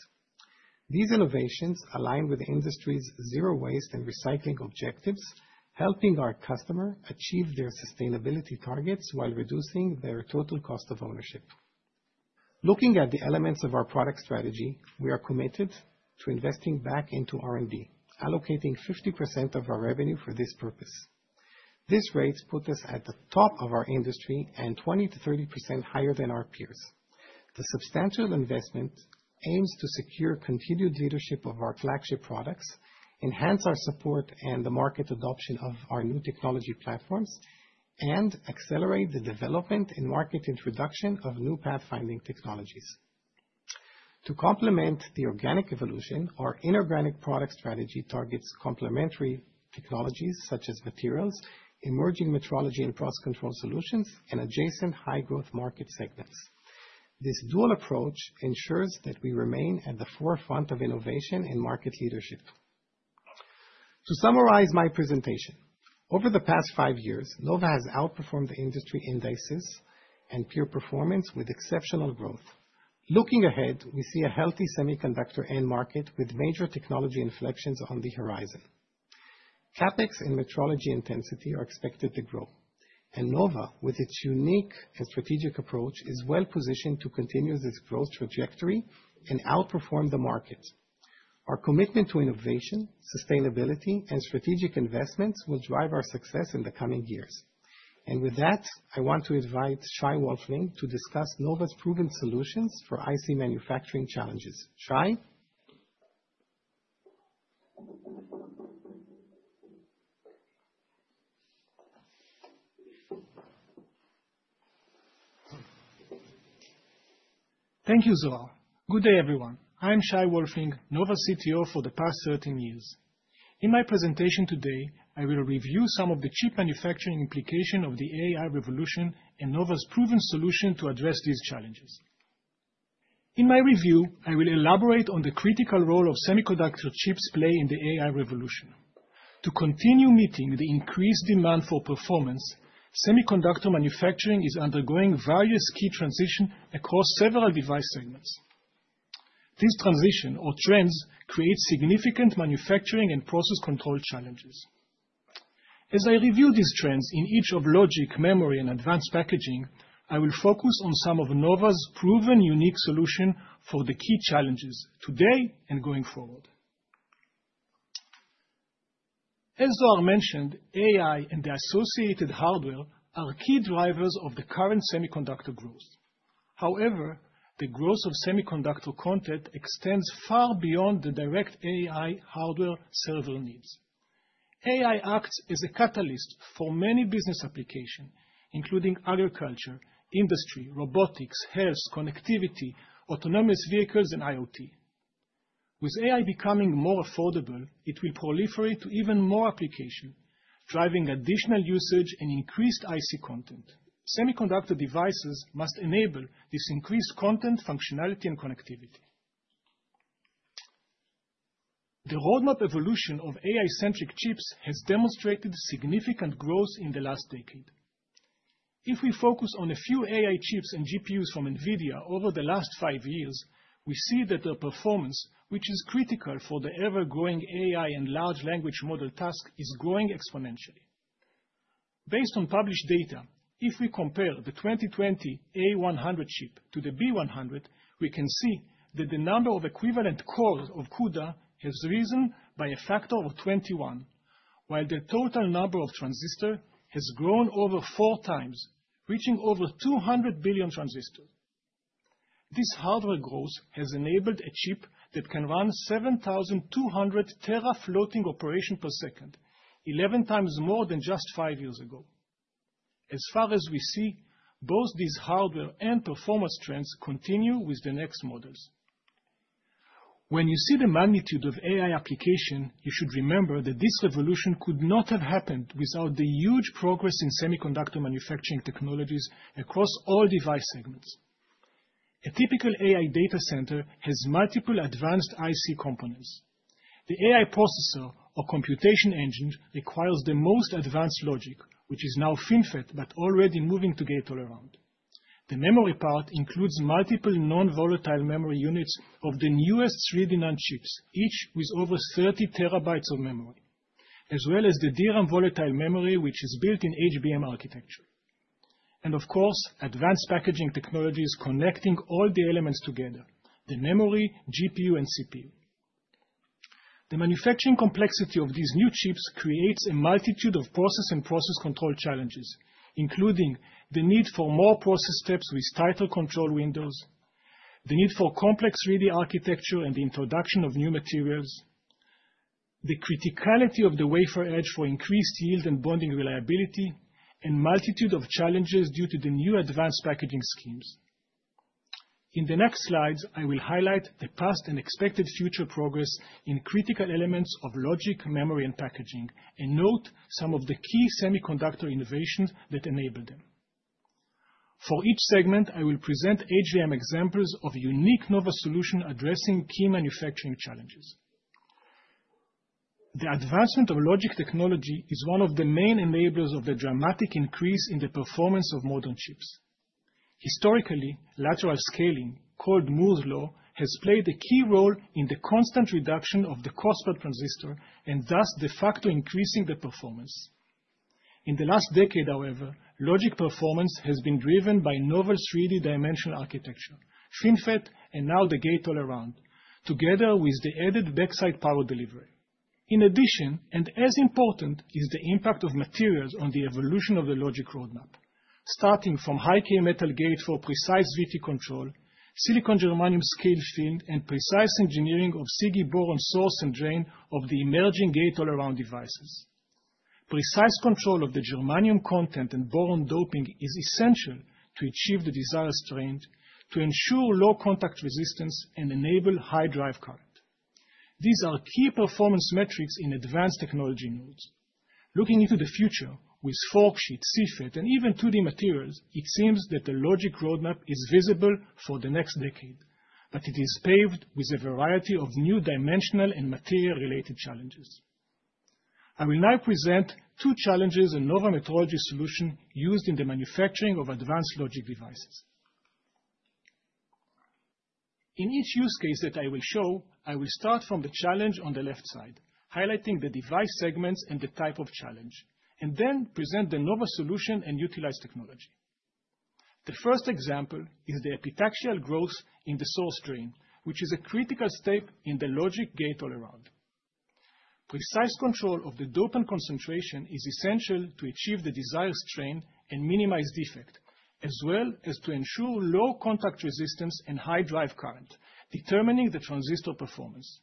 These innovations align with the industry's zero waste and recycling objectives, helping our customer achieve their sustainability targets while reducing their total cost of ownership. Looking at the elements of our product strategy, we are committed to investing back into R&D, allocating 50% of our revenue for this purpose. This rate puts us at the top of our industry and 20%-30% higher than our peers. The substantial investment aims to secure continued leadership of our flagship products, enhance our support and the market adoption of our new technology platforms, and accelerate the development and market introduction of new pathfinding technologies. To complement the organic evolution, our inorganic product strategy targets complementary technologies such as materials, emerging metrology and cross-control solutions, and adjacent high-growth market segments. This dual approach ensures that we remain at the forefront of innovation and market leadership. To summarize my presentation, over the past five years, Nova has outperformed the industry indices and peer performance with exceptional growth. Looking ahead, we see a healthy semiconductor end market with major technology inflections on the horizon. CapEx and metrology intensity are expected to grow, and Nova, with its unique and strategic approach, is well positioned to continue this growth trajectory and outperform the market. Our commitment to innovation, sustainability, and strategic investments will drive our success in the coming years. I want to invite Shay Wolfling to discuss Nova's proven solutions for IC manufacturing challenges. Shay? Thank you, Zohar. Good day, everyone. I'm Shay Wolfling, Nova's CTO for the past 13 years. In my presentation today, I will review some of the chip manufacturing implications of the AI revolution and Nova's proven solution to address these challenges. In my review, I will elaborate on the critical role of semiconductor chips playing in the AI revolution. To continue meeting the increased demand for performance, semiconductor manufacturing is undergoing various key transitions across several device segments. These transitions, or trends, create significant manufacturing and process control challenges. As I review these trends in each of logic, memory, and advanced packaging, I will focus on some of Nova's proven, unique solutions for the key challenges today and going forward. As Zohar mentioned, AI and the associated hardware are key drivers of the current semiconductor growth. However, the growth of semiconductor content extends far beyond the direct AI hardware server needs. AI acts as a catalyst for many business applications, including agriculture, industry, robotics, health, connectivity, autonomous vehicles, and IoT. With AI becoming more affordable, it will proliferate to even more applications, driving additional usage and increased IC content. Semiconductor devices must enable this increased content, functionality, and connectivity. The roadmap evolution of AI-centric chips has demonstrated significant growth in the last decade. If we focus on a few AI chips and GPUs from NVIDIA over the last five years, we see that their performance, which is critical for the ever-growing AI and large language model tasks, is growing exponentially. Based on published data, if we compare the 2020 A100 chip to the B100, we can see that the number of equivalent cores of CUDA has risen by a factor of 21, while the total number of transistors has grown over four times, reaching over 200 billion transistors. This hardware growth has enabled a chip that can run 7,200 terafloating operations per second, 11x more than just five years ago. As far as we see, both these hardware and performance trends continue with the next models. When you see the magnitude of AI application, you should remember that this revolution could not have happened without the huge progress in semiconductor manufacturing technologies across all device segments. A typical AI data center has multiple advanced IC components. The AI processor or computation engine requires the most advanced logic, which is now FinFET, but already moving to Gate-All-Around. The memory part includes multiple non-volatile memory units of the newest 3D NAND chips, each with over 30 TB of memory, as well as the DRAM volatile memory, which is built in HBM architecture. Of course, advanced packaging technologies connect all the elements together: the memory, GPU, and CPU. The manufacturing complexity of these new chips creates a multitude of process and process control challenges, including the need for more process steps with tighter control windows, the need for complex 3D architecture and the introduction of new materials, the criticality of the wafer edge for increased yield and bonding reliability, and a multitude of challenges due to the new advanced packaging schemes. In the next slides, I will highlight the past and expected future progress in critical elements of logic, memory, and packaging, and note some of the key semiconductor innovations that enable them. For each segment, I will present AGM examples of unique Nova solutions addressing key manufacturing challenges. The advancement of logic technology is one of the main enablers of the dramatic increase in the performance of modern chips. Historically, lateral scaling, called Moore's Law, has played a key role in the constant reduction of the cost per transistor and thus de facto increasing the performance. In the last decade, however, logic performance has been driven by novel 3D dimensional architecture, FinFET, and now the Gate-All-Around, together with the added backside power delivery. In addition, and as important is the impact of materials on the evolution of the logic roadmap, starting from high-k metal gate for precise VT control, silicon-germanium scale fill, and precise engineering of SiGe boron source and drain of the emerging Gate-All-Around devices. Precise control of the germanium content and boron doping is essential to achieve the desired strain, to ensure low contact resistance, and enable high drive current. These are key performance metrics in advanced technology nodes. Looking into the future with forksheet, CFET, and even 2D materials, it seems that the logic roadmap is visible for the next decade, but it is paved with a variety of new dimensional and material-related challenges. I will now present two challenges in Nova metrology solutions used in the manufacturing of advanced logic devices. In each use case that I will show, I will start from the challenge on the left side, highlighting the device segments and the type of challenge, and then present the Nova solution and utilized technology. The first example is the epitaxial growth in the source drain, which is a critical step in the logic Gate-All-Around. Precise control of the doping concentration is essential to achieve the desired strain and minimize defect, as well as to ensure low contact resistance and high drive current, determining the transistor performance.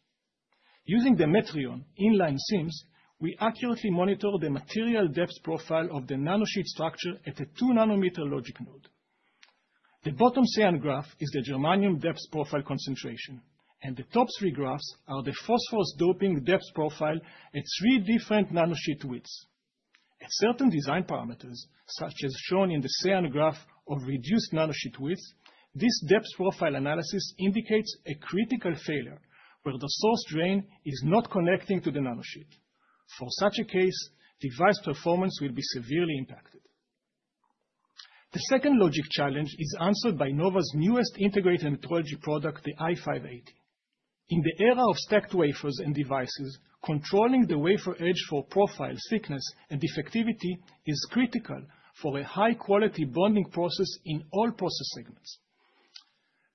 Using the Metrion inline SIMS, we accurately monitor the material depth profile of the nanosheet structure at a 2 nanometer logic node. The bottom CN graph is the germanium depth profile concentration, and the top three graphs are the phosphorus doping depth profile at three different nanosheet widths. At certain design parameters, such as shown in the CN graph of reduced nanosheet widths, this depth profile analysis indicates a critical failure where the source drain is not connecting to the nanosheet. For such a case, device performance will be severely impacted. The second logic challenge is answered by Nova's newest integrated metrology product, the i580. In the era of stacked wafers and devices, controlling the wafer edge for profile thickness and effectivity is critical for a high-quality bonding process in all process segments.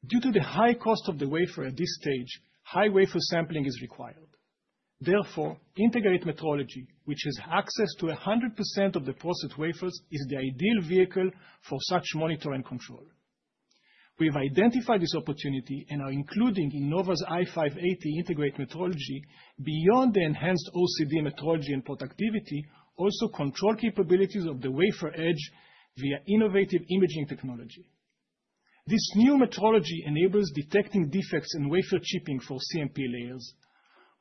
Due to the high cost of the wafer at this stage, high wafer sampling is required. Therefore, integrated metrology, which has access to 100% of the process wafers, is the ideal vehicle for such monitor and control. We've identified this opportunity and are including in Nova's i580 integrated metrology, beyond the enhanced OCD metrology and productivity, also control capabilities of the wafer edge via innovative imaging technology. This new metrology enables detecting defects in wafer chipping for CMP layers,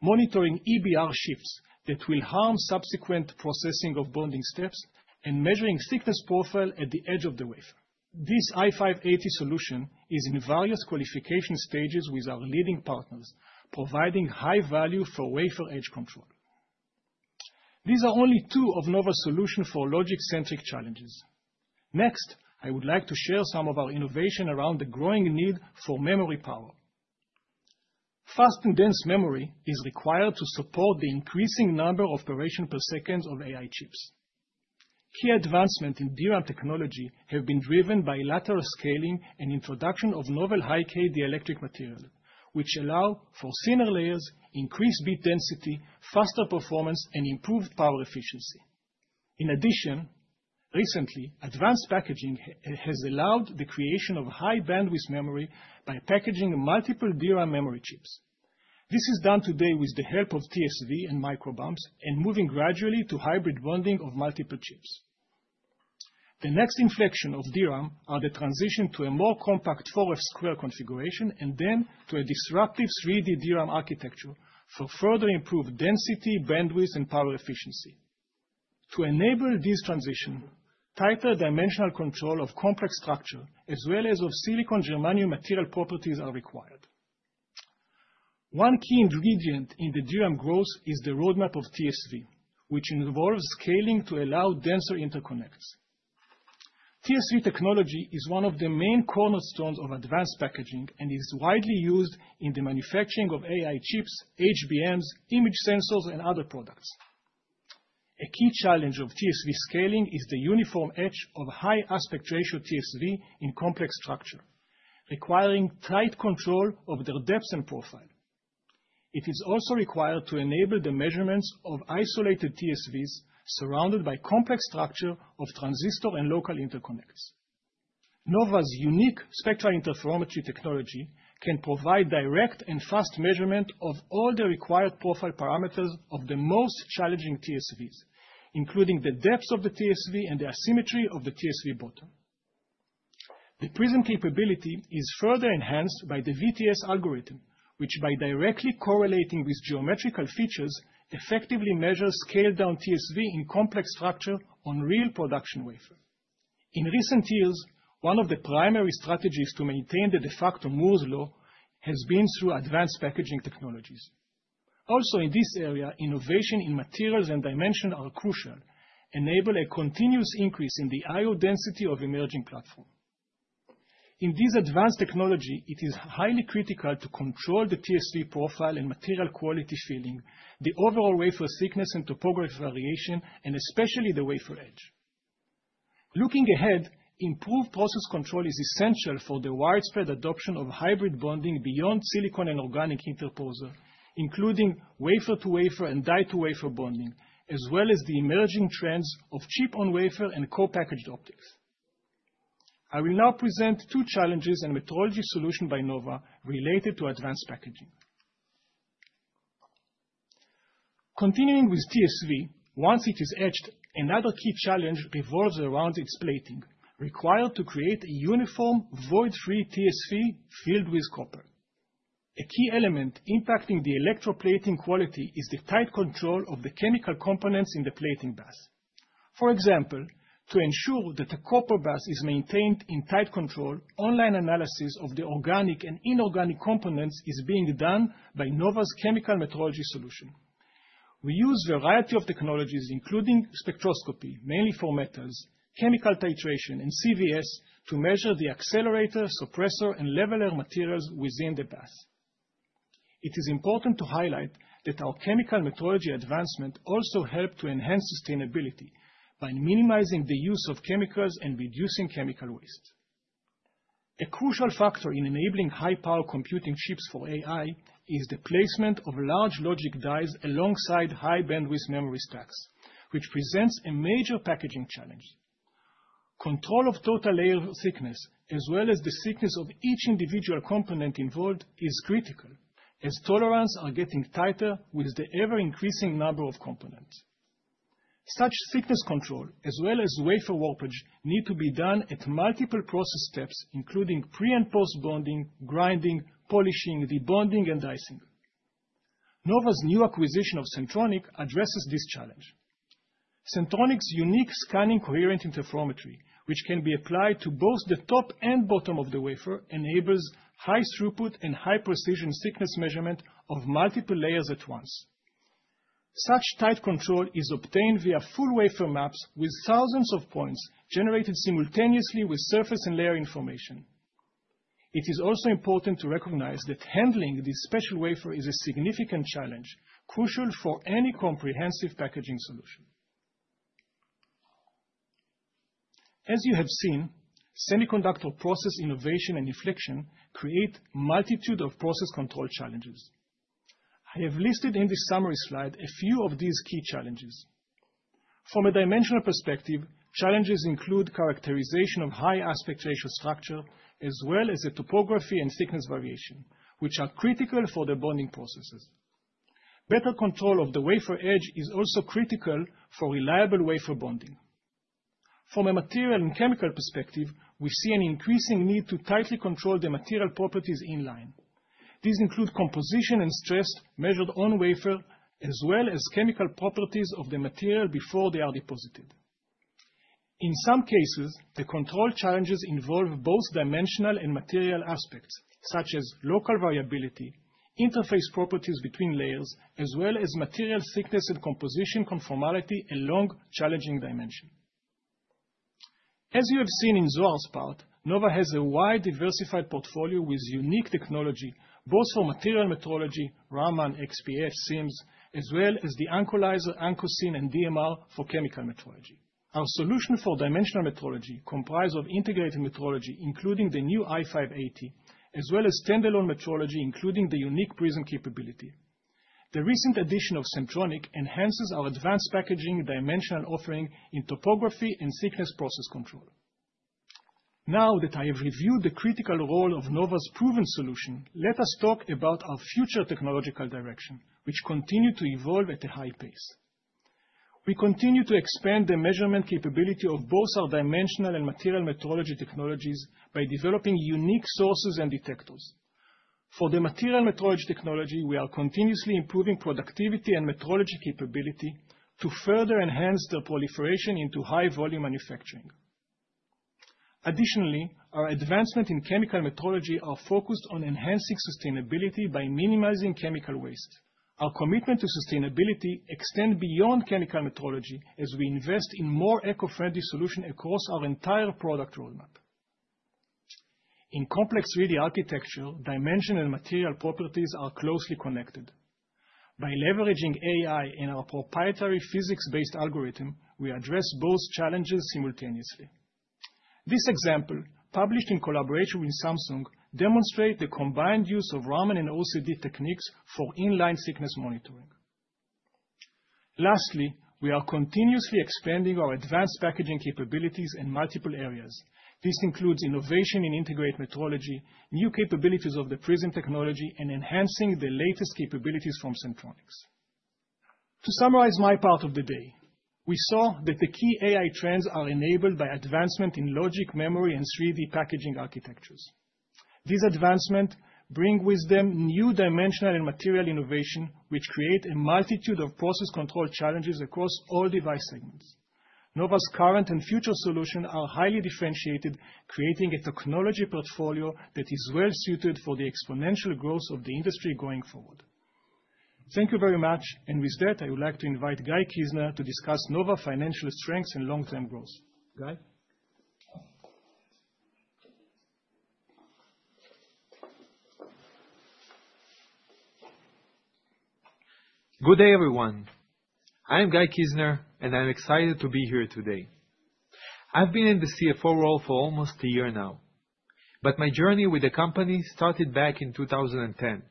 monitoring EBR shifts that will harm subsequent processing of bonding steps, and measuring thickness profile at the edge of the wafer. This i580 solution is in various qualification stages with our leading partners, providing high value for wafer edge control. These are only two of Nova's solutions for logic-centric challenges. Next, I would like to share some of our innovation around the growing need for memory power. Fast and dense memory is required to support the increasing number of operations per second of AI chips. Key advancements in DRAM technology have been driven by lateral scaling and introduction of novel high-k dielectric materials, which allow for thinner layers, increased bit density, faster performance, and improved power efficiency. In addition, recently, advanced packaging has allowed the creation of high-bandwidth memory by packaging multiple DRAM memory chips. This is done today with the help of TSV and microbumps and moving gradually to hybrid bonding of multiple chips. The next inflection of DRAM is the transition to a more compact 4F square configuration and then to a disruptive 3D DRAM architecture for further improved density, bandwidth, and power efficiency. To enable this transition, tighter dimensional control of complex structures, as well as of silicon-germanium material properties, are required. One key ingredient in the DRAM growth is the roadmap of TSV, which involves scaling to allow denser interconnects. TSV technology is one of the main cornerstones of advanced packaging and is widely used in the manufacturing of AI chips, HBMs, image sensors, and other products. A key challenge of TSV scaling is the uniform edge of high-aspect ratio TSV in complex structures, requiring tight control of their depth and profile. It is also required to enable the measurements of isolated TSVs surrounded by complex structures of transistor and local interconnects. Nova's unique spectral interferometry technology can provide direct and fast measurement of all the required profile parameters of the most challenging TSVs, including the depth of the TSV and the asymmetry of the TSV bottom. The Prism capability is further enhanced by the VTS algorithm, which, by directly correlating with geometrical features, effectively measures scaled-down TSV in complex structures on real production wafers. In recent years, one of the primary strategies to maintain the de facto Moore's Law has been through advanced packaging technologies. Also, in this area, innovation in materials and dimension are crucial, enabling a continuous increase in the I/O density of emerging platforms. In this advanced technology, it is highly critical to control the TSV profile and material quality filling, the overall wafer thickness and topography variation, and especially the wafer edge. Looking ahead, improved process control is essential for the widespread adoption of hybrid bonding beyond silicon and organic interposer, including wafer-to-wafer and die-to-wafer bonding, as well as the emerging trends of chip-on-wafer and co-packaged optics. I will now present two challenges and metrology solutions by Nova related to advanced packaging. Continuing with TSV, once it is etched, another key challenge revolves around its plating, required to create a uniform void-free TSV filled with copper. A key element impacting the electroplating quality is the tight control of the chemical components in the plating bath. For example, to ensure that the copper bath is maintained in tight control, online analysis of the organic and inorganic components is being done by Nova's chemical metrology solution. We use a variety of technologies, including spectroscopy, mainly for metals, chemical titration, and CVS, to measure the accelerator, suppressor, and leveler materials within the bath. It is important to highlight that our chemical metrology advancement also helps to enhance sustainability by minimizing the use of chemicals and reducing chemical waste. A crucial factor in enabling high-power computing chips for AI is the placement of large logic dies alongside high-bandwidth memory stacks, which presents a major packaging challenge. Control of total layer thickness, as well as the thickness of each individual component involved, is critical, as tolerances are getting tighter with the ever-increasing number of components. Such thickness control, as well as wafer warpage, needs to be done at multiple process steps, including pre- and post-bonding, grinding, polishing, debonding, and dicing. Nova's new acquisition of Sentronics addresses this challenge. Sentronics' unique scanning coherent interferometry, which can be applied to both the top and bottom of the wafer, enables high throughput and high precision thickness measurement of multiple layers at once. Such tight control is obtained via full wafer maps with thousands of points generated simultaneously with surface and layer information. It is also important to recognize that handling this special wafer is a significant challenge, crucial for any comprehensive packaging solution. As you have seen, semiconductor process innovation and inflection create a multitude of process control challenges. I have listed in this summary slide a few of these key challenges. From a dimensional perspective, challenges include characterization of high-aspect ratio structures, as well as the topography and thickness variation, which are critical for the bonding processes. Better control of the wafer edge is also critical for reliable wafer bonding. From a material and chemical perspective, we see an increasing need to tightly control the material properties in line. These include composition and stress measured on wafer, as well as chemical properties of the material before they are deposited. In some cases, the control challenges involve both dimensional and material aspects, such as local variability, interface properties between layers, as well as material thickness and composition conformality along challenging dimensions. As you have seen in Zohar's part, Nova has a wide diversified portfolio with unique technology, both for material metrology, Raman, XPS, SIMS, as well as the Equalizer, Ancosys, and DMR for chemical metrology. Our solution for dimensional metrology comprises integrated metrology, including the new i580, as well as standalone metrology, including the unique Prism capability. The recent addition of Sentronics enhances our advanced packaging dimensional offering in topography and thickness process control. Now that I have reviewed the critical role of Nova's proven solution, let us talk about our future technological direction, which continues to evolve at a high pace. We continue to expand the measurement capability of both our dimensional and material metrology technologies by developing unique sources and detectors. For the material metrology technology, we are continuously improving productivity and metrology capability to further enhance their proliferation into high-volume manufacturing. Additionally, our advancements in chemical metrology are focused on enhancing sustainability by minimizing chemical waste. Our commitment to sustainability extends beyond chemical metrology, as we invest in more eco-friendly solutions across our entire product roadmap. In complex 3D architecture, dimensional and material properties are closely connected. By leveraging AI and our proprietary physics-based algorithm, we address both challenges simultaneously. This example, published in collaboration with Samsung, demonstrates the combined use of Raman and OCD techniques for inline thickness monitoring. Lastly, we are continuously expanding our advanced packaging capabilities in multiple areas. This includes innovation in integrated metrology, new capabilities of the Prism technology, and enhancing the latest capabilities from Sentronics. To summarize my part of the day, we saw that the key AI trends are enabled by advancements in logic, memory, and 3D packaging architectures. These advancements bring with them new dimensional and material innovations, which create a multitude of process control challenges across all device segments. Nova's current and future solutions are highly differentiated, creating a technology portfolio that is well-suited for the exponential growth of the industry going forward. Thank you very much, and with that, I would like to invite Guy Kizner to discuss Nova's financial strengths and long-term growth. Guy? Good day, everyone. I'm Guy Kizner, and I'm excited to be here today. I've been in the CFO role for almost a year now, but my journey with the company started back in 2010.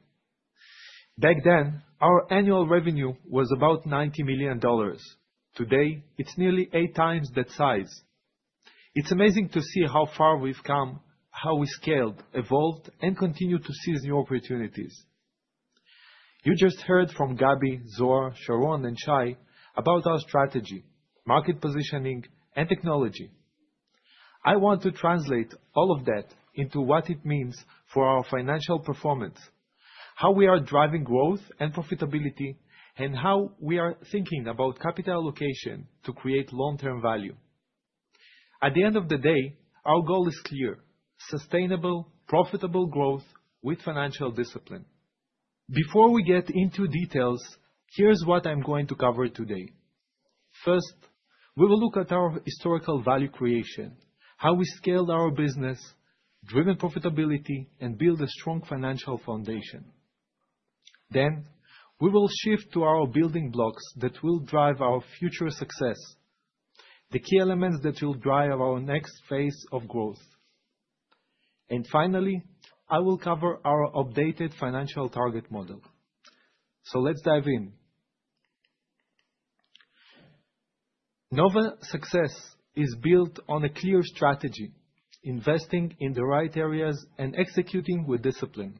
Back then, our annual revenue was about $90 million. Today, it's nearly eight times that size. It's amazing to see how far we've come, how we scaled, evolved, and continue to seize new opportunities. You just heard from Gaby, Zohar, Sharon, and Shay about our strategy, market positioning, and technology. I want to translate all of that into what it means for our financial performance, how we are driving growth and profitability, and how we are thinking about capital allocation to create long-term value. At the end of the day, our goal is clear: sustainable, profitable growth with financial discipline. Before we get into details, here is what I am going to cover today. First, we will look at our historical value creation, how we scaled our business, driven profitability, and built a strong financial foundation. Then, we will shift to our building blocks that will drive our future success, the key elements that will drive our next phase of growth. Finally, I will cover our updated financial target model. Let us dive in. Nova's success is built on a clear strategy, investing in the right areas and executing with discipline.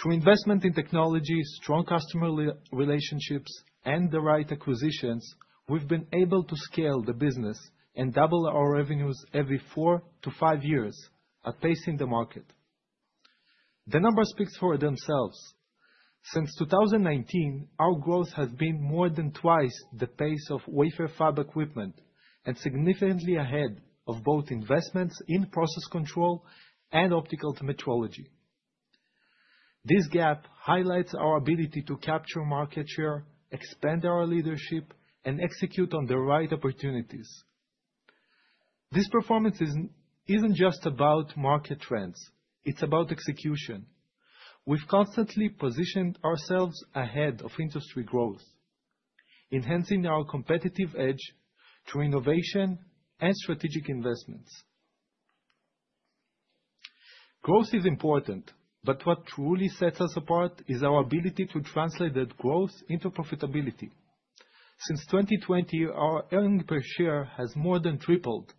Through investment in technology, strong customer relationships, and the right acquisitions, we've been able to scale the business and double our revenues every four to five years, outpacing the market. The numbers speak for themselves. Since 2019, our growth has been more than twice the pace of wafer fab equipment and significantly ahead of both investments in process control and optical metrology. This gap highlights our ability to capture market share, expand our leadership, and execute on the right opportunities. This performance isn't just about market trends; it's about execution. We've constantly positioned ourselves ahead of industry growth, enhancing our competitive edge through innovation and strategic investments. Growth is important, but what truly sets us apart is our ability to translate that growth into profitability. Since 2020, our earnings per share has more than tripled,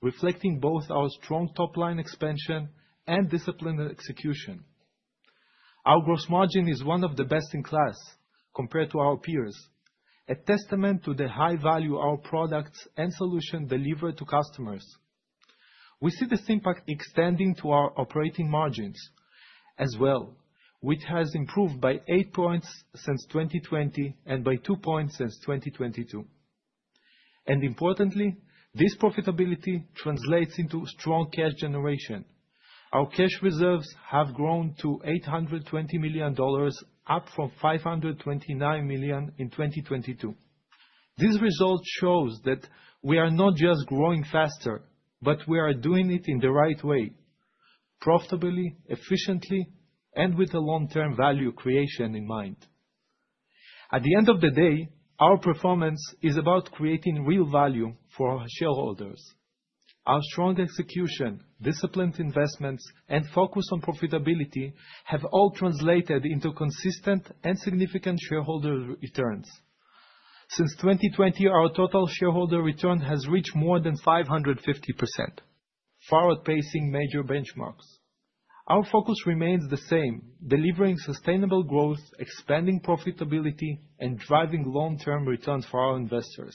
reflecting both our strong top-line expansion and disciplined execution. Our gross margin is one of the best in class compared to our peers, a testament to the high value our products and solutions deliver to customers. We see this impact extending to our operating margins as well, which has improved by eight points since 2020 and by two points since 2022. Importantly, this profitability translates into strong cash generation. Our cash reserves have grown to $820 million, up from $529 million in 2022. This result shows that we are not just growing faster, but we are doing it in the right way: profitably, efficiently, and with a long-term value creation in mind. At the end of the day, our performance is about creating real value for our shareholders. Our strong execution, disciplined investments, and focus on profitability have all translated into consistent and significant shareholder returns. Since 2020, our total shareholder return has reached more than 550%, far outpacing major benchmarks. Our focus remains the same: delivering sustainable growth, expanding profitability, and driving long-term returns for our investors.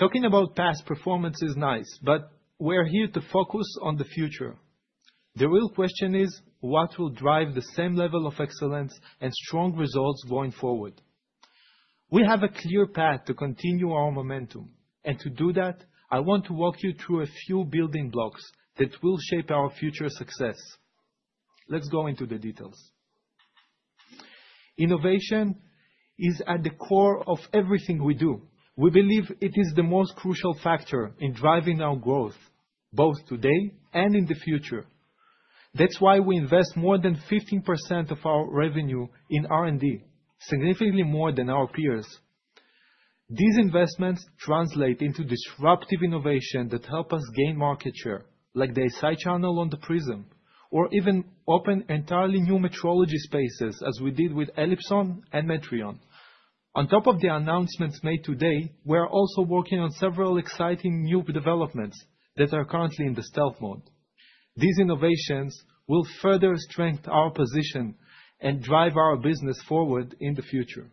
Talking about past performance is nice, but we are here to focus on the future. The real question is, what will drive the same level of excellence and strong results going forward? We have a clear path to continue our momentum, and to do that, I want to walk you through a few building blocks that will shape our future success. Let's go into the details. Innovation is at the core of everything we do. We believe it is the most crucial factor in driving our growth, both today and in the future. That's why we invest more than 15% of our revenue in R&D, significantly more than our peers. These investments translate into disruptive innovation that help us gain market share, like the SI channel on the Prism, or even open entirely new metrology spaces, as we did with Elipson and Metrion. On top of the announcements made today, we are also working on several exciting new developments that are currently in the stealth mode. These innovations will further strengthen our position and drive our business forward in the future.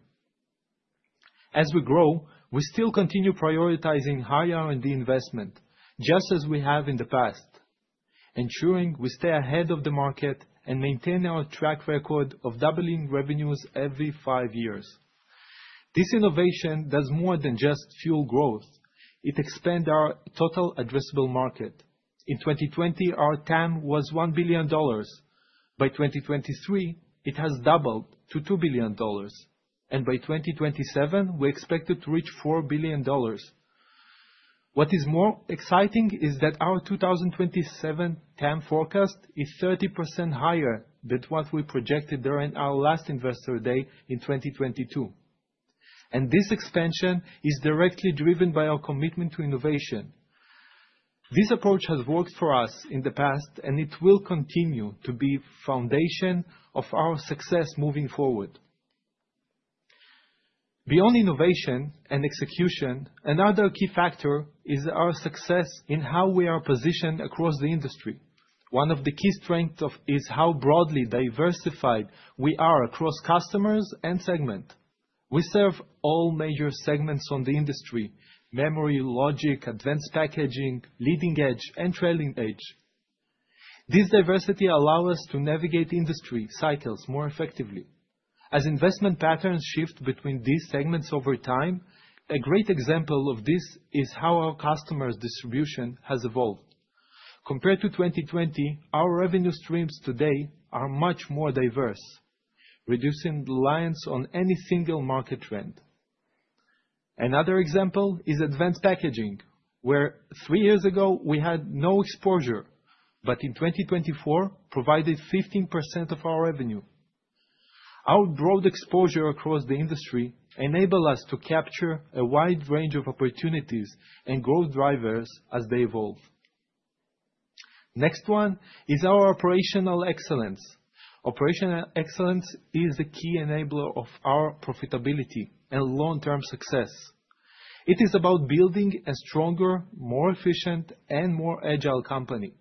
As we grow, we still continue prioritizing high R&D investment, just as we have in the past, ensuring we stay ahead of the market and maintain our track record of doubling revenues every five years. This innovation does more than just fuel growth; it expands our total addressable market. In 2020, our TAM was $1 billion. By 2023, it has doubled to $2 billion, and by 2027, we expect it to reach $4 billion. What is more exciting is that our 2027 TAM forecast is 30% higher than what we projected during our last investor day in 2022. This expansion is directly driven by our commitment to innovation. This approach has worked for us in the past, and it will continue to be the foundation of our success moving forward. Beyond innovation and execution, another key factor is our success in how we are positioned across the industry. One of the key strengths is how broadly diversified we are across customers and segments. We serve all major segments in the industry: memory, logic, advanced packaging, leading edge, and trailing edge. This diversity allows us to navigate industry cycles more effectively. As investment patterns shift between these segments over time, a great example of this is how our customers' distribution has evolved. Compared to 2020, our revenue streams today are much more diverse, reducing reliance on any single market trend. Another example is advanced packaging, where three years ago we had no exposure, but in 2024, it provided 15% of our revenue. Our broad exposure across the industry enables us to capture a wide range of opportunities and growth drivers as they evolve. Next one is our operational excellence. Operational excellence is a key enabler of our profitability and long-term success. It is about building a stronger, more efficient, and more agile company.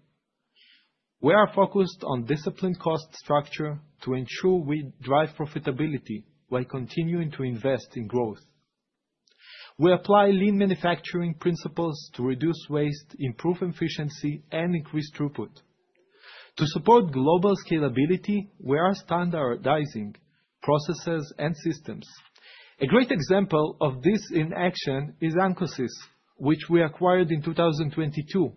We are focused on disciplined cost structure to ensure we drive profitability while continuing to invest in growth. We apply lean manufacturing principles to reduce waste, improve efficiency, and increase throughput. To support global scalability, we are standardizing processes and systems. A great example of this in action is Ancosys, which we acquired in 2022.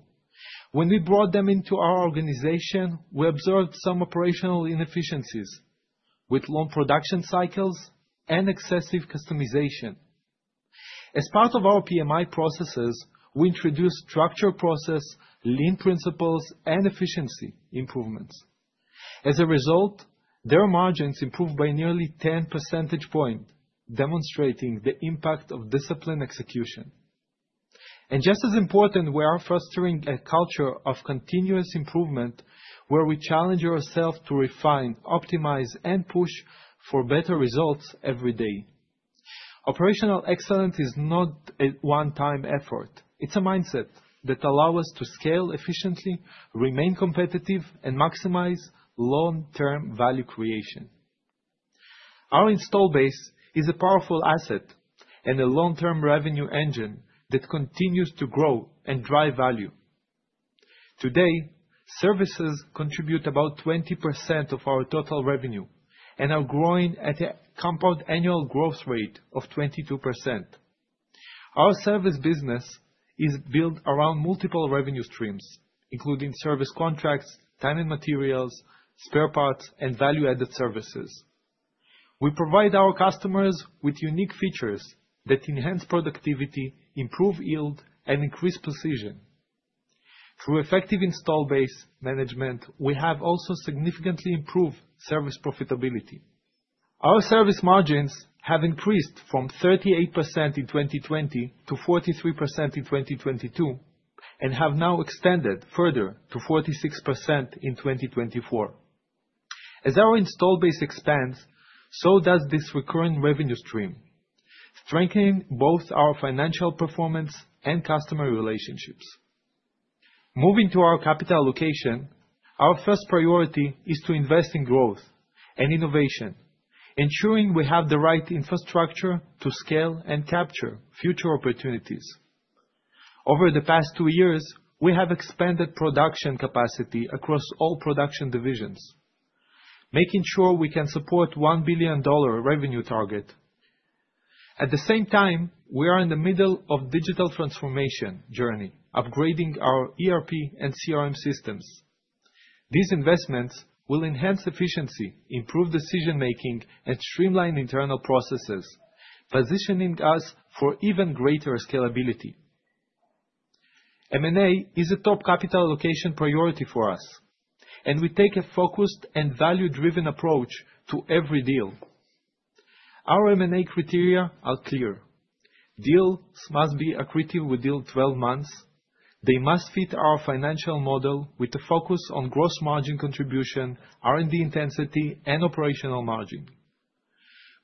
When we brought them into our organization, we observed some operational inefficiencies with long production cycles and excessive customization. As part of our PMI processes, we introduced structured processes, lean principles, and efficiency improvements. As a result, their margins improved by nearly 10 percentage points, demonstrating the impact of disciplined execution. Just as important, we are fostering a culture of continuous improvement, where we challenge ourselves to refine, optimize, and push for better results every day. Operational excellence is not a one-time effort; it's a mindset that allows us to scale efficiently, remain competitive, and maximize long-term value creation. Our install base is a powerful asset and a long-term revenue engine that continues to grow and drive value. Today, services contribute about 20% of our total revenue and are growing at a compound annual growth rate of 22%. Our service business is built around multiple revenue streams, including service contracts, timing materials, spare parts, and value-added services. We provide our customers with unique features that enhance productivity, improve yield, and increase precision. Through effective install base management, we have also significantly improved service profitability. Our service margins have increased from 38% in 2020 to 43% in 2022 and have now extended further to 46% in 2024. As our install base expands, so does this recurring revenue stream, strengthening both our financial performance and customer relationships. Moving to our capital allocation, our first priority is to invest in growth and innovation, ensuring we have the right infrastructure to scale and capture future opportunities. Over the past two years, we have expanded production capacity across all production divisions, making sure we can support a $1 billion revenue target. At the same time, we are in the middle of a digital transformation journey, upgrading our ERP and CRM systems. These investments will enhance efficiency, improve decision-making, and streamline internal processes, positioning us for even greater scalability. M&A is a top capital allocation priority for us, and we take a focused and value-driven approach to every deal. Our M&A criteria are clear: deals must be accretive within 12 months; they must fit our financial model with a focus on gross margin contribution, R&D intensity, and operational margin.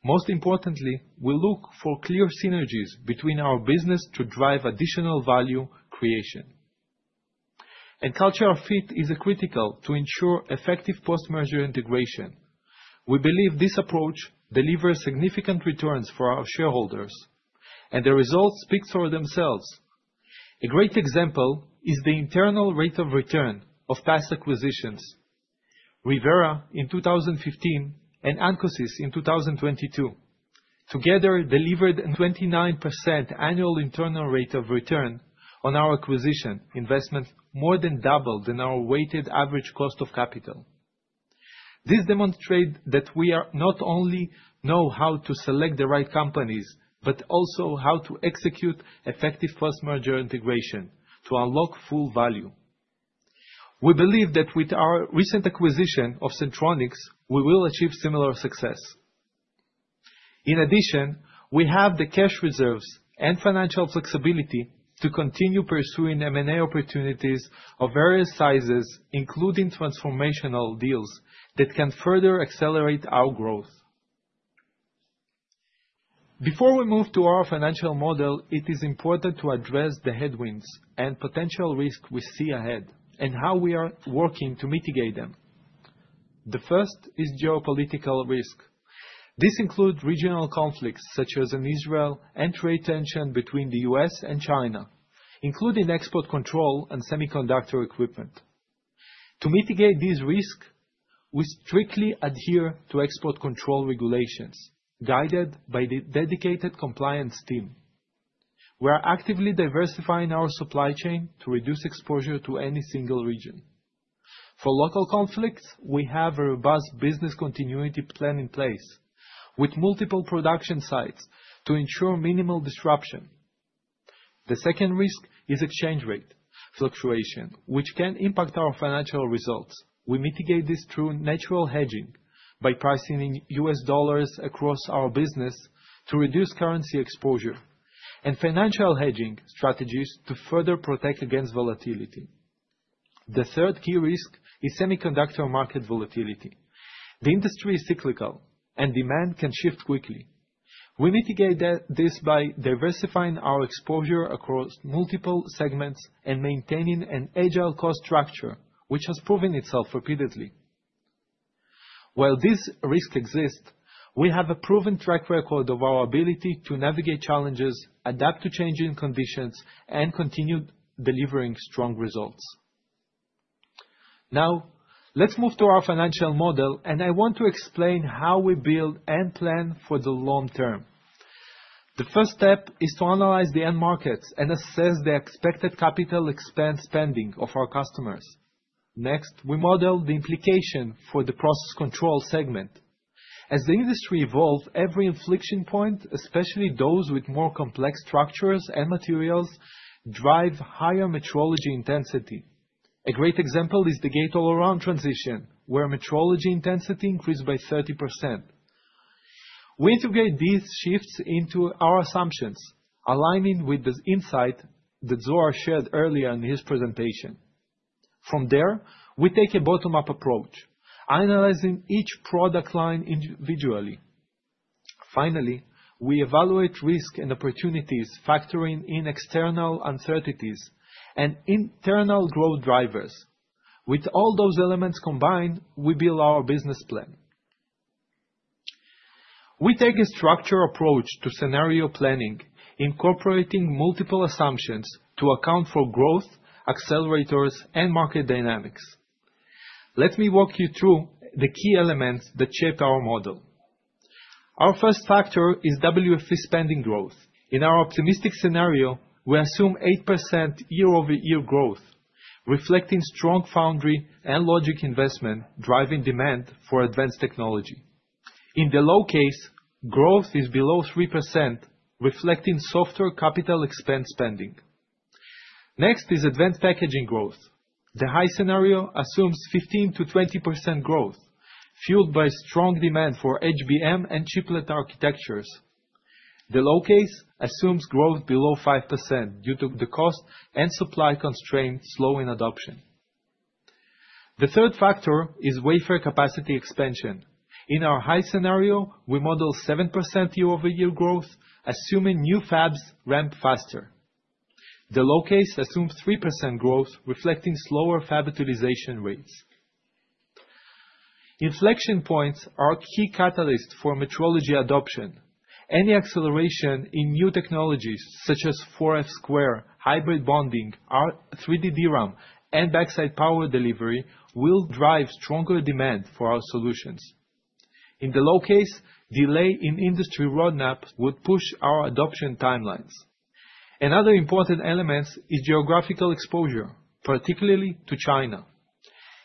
Most importantly, we look for clear synergies between our business to drive additional value creation. Culture of fit is critical to ensure effective post-merger integration. We believe this approach delivers significant returns for our shareholders, and the results speak for themselves. A great example is the internal rate of return of past acquisitions: ReVera in 2015 and Ancosys in 2022. Together, they delivered a 29% annual internal rate of return on our acquisition investments, more than doubled our weighted average cost of capital. This demonstrates that we not only know how to select the right companies but also how to execute effective post-merger integration to unlock full value. We believe that with our recent acquisition of Sentronics, we will achieve similar success. In addition, we have the cash reserves and financial flexibility to continue pursuing M&A opportunities of various sizes, including transformational deals that can further accelerate our growth. Before we move to our financial model, it is important to address the headwinds and potential risks we see ahead and how we are working to mitigate them. The first is geopolitical risk. This includes regional conflicts such as Israel and trade tensions between the U.S. and China, including export control and semiconductor equipment. To mitigate these risks, we strictly adhere to export control regulations guided by the dedicated compliance team. We are actively diversifying our supply chain to reduce exposure to any single region. For local conflicts, we have a robust business continuity plan in place with multiple production sites to ensure minimal disruption. The second risk is exchange rate fluctuation, which can impact our financial results. We mitigate this through natural hedging by pricing in U.S. dollars across our business to reduce currency exposure and financial hedging strategies to further protect against volatility. The third key risk is semiconductor market volatility. The industry is cyclical, and demand can shift quickly. We mitigate this by diversifying our exposure across multiple segments and maintaining an agile cost structure, which has proven itself repeatedly. While these risks exist, we have a proven track record of our ability to navigate challenges, adapt to changing conditions, and continue delivering strong results. Now, let's move to our financial model, and I want to explain how we build and plan for the long term. The first step is to analyze the end markets and assess the expected capital expense spending of our customers. Next, we model the implication for the process control segment. As the industry evolves, every inflection point, especially those with more complex structures and materials, drives higher metrology intensity. A great example is the gate-all-around transition, where metrology intensity increased by 30%. We integrate these shifts into our assumptions, aligning with the insight that Zohar shared earlier in his presentation. From there, we take a bottom-up approach, analyzing each product line individually. Finally, we evaluate risk and opportunities, factoring in external uncertainties and internal growth drivers. With all those elements combined, we build our business plan. We take a structured approach to scenario planning, incorporating multiple assumptions to account for growth, accelerators, and market dynamics. Let me walk you through the key elements that shape our model. Our first factor is WFE spending growth. In our optimistic scenario, we assume 8% year-over-year growth, reflecting strong foundry and logic investment driving demand for advanced technology. In the low case, growth is below 3%, reflecting softer capital expense spending. Next is advanced packaging growth. The high scenario assumes 15%-20% growth, fueled by strong demand for HBM and chiplet architectures. The low case assumes growth below 5% due to the cost and supply constraints slowing adoption. The third factor is wafer capacity expansion. In our high scenario, we model 7% year-over-year growth, assuming new fabs ramp faster. The low case assumes 3% growth, reflecting slower fab utilization rates. Inflection points are key catalysts for metrology adoption. Any acceleration in new technologies such as 4F square, hybrid bonding, 3D DRAM, and backside power delivery will drive stronger demand for our solutions. In the low case, delay in industry roadmaps would push our adoption timelines. Another important element is geographical exposure, particularly to China.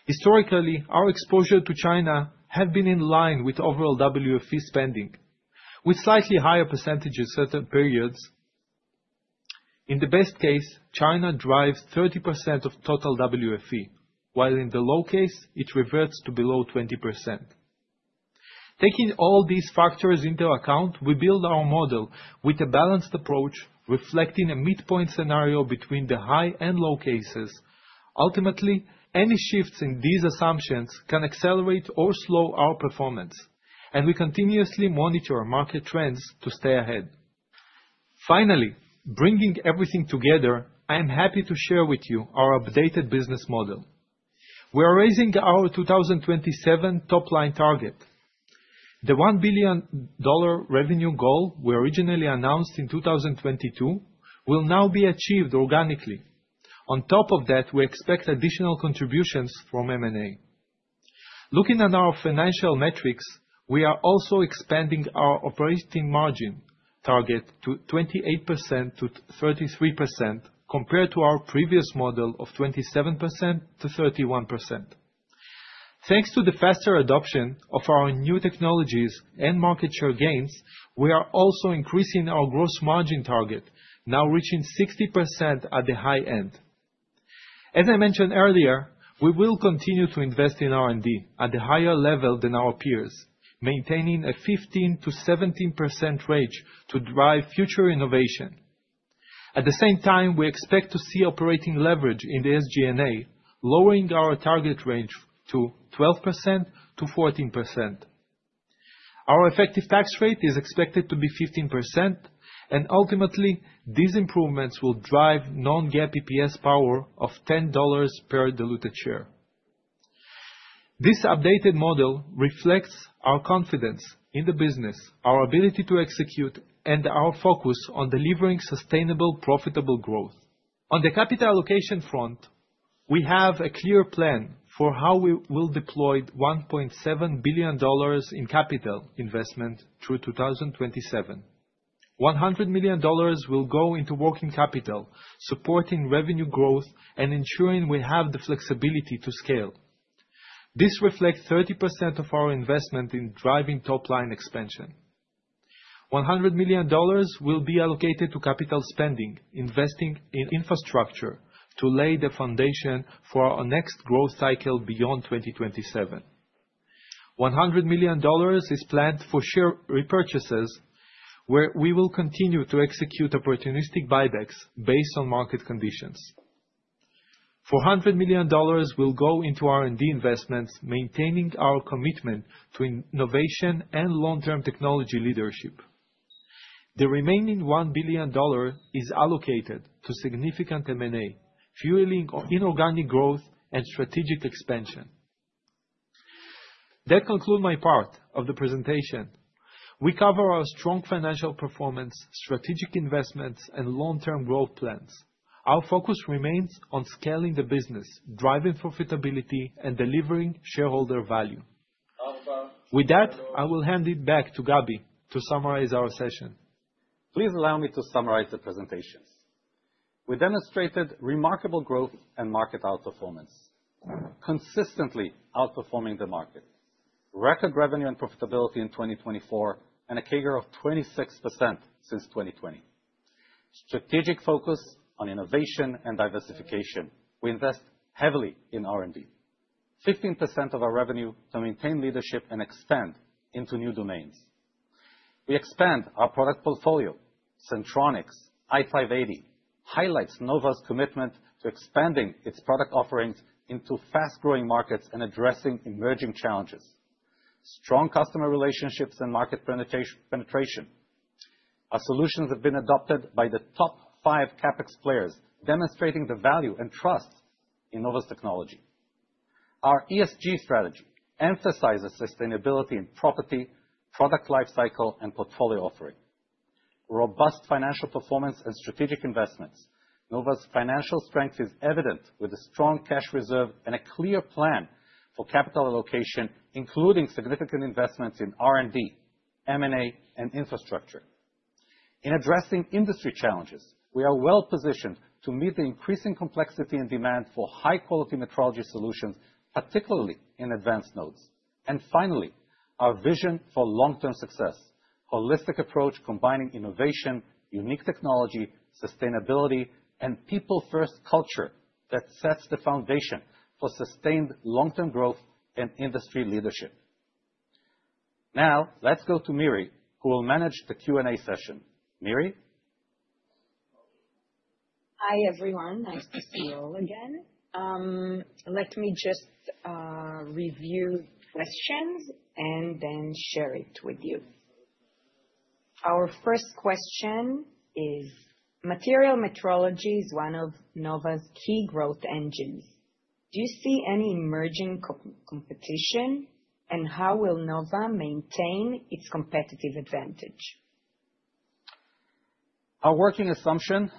Historically, our exposure to China has been in line with overall WFE spending, with slightly higher percentages in certain periods. In the best case, China drives 30% of total WFE, while in the low case, it reverts to below 20%. Taking all these factors into account, we build our model with a balanced approach, reflecting a midpoint scenario between the high and low cases. Ultimately, any shifts in these assumptions can accelerate or slow our performance, and we continuously monitor market trends to stay ahead. Finally, bringing everything together, I am happy to share with you our updated business model. We are raising our 2027 top-line target. The $1 billion revenue goal we originally announced in 2022 will now be achieved organically. On top of that, we expect additional contributions from M&A. Looking at our financial metrics, we are also expanding our operating margin target to 28%-33% compared to our previous model of 27%-31%. Thanks to the faster adoption of our new technologies and market share gains, we are also increasing our gross margin target, now reaching 60% at the high end. As I mentioned earlier, we will continue to invest in R&D at a higher level than our peers, maintaining a 15%-17% range to drive future innovation. At the same time, we expect to see operating leverage in the SG&A, lowering our target range to 12%-14%. Our effective tax rate is expected to be 15%, and ultimately, these improvements will drive non-GAAP EPS power of $10 per diluted share. This updated model reflects our confidence in the business, our ability to execute, and our focus on delivering sustainable, profitable growth. On the capital allocation front, we have a clear plan for how we will deploy $1.7 billion in capital investment through 2027. $100 million will go into working capital, supporting revenue growth and ensuring we have the flexibility to scale. This reflects 30% of our investment in driving top-line expansion. $100 million will be allocated to capital spending, investing in infrastructure to lay the foundation for our next growth cycle beyond 2027. $100 million is planned for share repurchases, where we will continue to execute opportunistic buybacks based on market conditions. $400 million will go into R&D investments, maintaining our commitment to innovation and long-term technology leadership. The remaining $1 billion is allocated to significant M&A, fueling inorganic growth and strategic expansion. That concludes my part of the presentation. We cover our strong financial performance, strategic investments, and long-term growth plans. Our focus remains on scaling the business, driving profitability, and delivering shareholder value. With that, I will hand it back to Gaby to summarize our session. Please allow me to summarize the presentations. We demonstrated remarkable growth and market outperformance, consistently outperforming the market. Record revenue and profitability in 2024 and a CAGR of 26% since 2020. Strategic focus on innovation and diversification. We invest heavily in R&D, 15% of our revenue to maintain leadership and expand into new domains. We expand our product portfolio. Sentronics i580 highlights Nova's commitment to expanding its product offerings into fast-growing markets and addressing emerging challenges. Strong customer relationships and market penetration. Our solutions have been adopted by the top five CapEx players, demonstrating the value and trust in Nova's technology. Our ESG strategy emphasizes sustainability in property, product lifecycle, and portfolio offering. Robust financial performance and strategic investments. Nova's financial strength is evident with a strong cash reserve and a clear plan for capital allocation, including significant investments in R&D, M&A, and infrastructure. In addressing industry challenges, we are well-positioned to meet the increasing complexity and demand for high-quality metrology solutions, particularly in advanced nodes. Finally, our vision for long-term success: a holistic approach combining innovation, unique technology, sustainability, and a people-first culture that sets the foundation for sustained long-term growth and industry leadership. Now, let's go to Miri, who will manage the Q&A session. Miri? Hi, everyone. Nice to see you all again. Let me just review questions and then share it with you. Our first question is: Material metrology is one of Nova's key growth engines. Do you see any emerging competition, and how will Nova maintain its competitive advantage? Our working assumption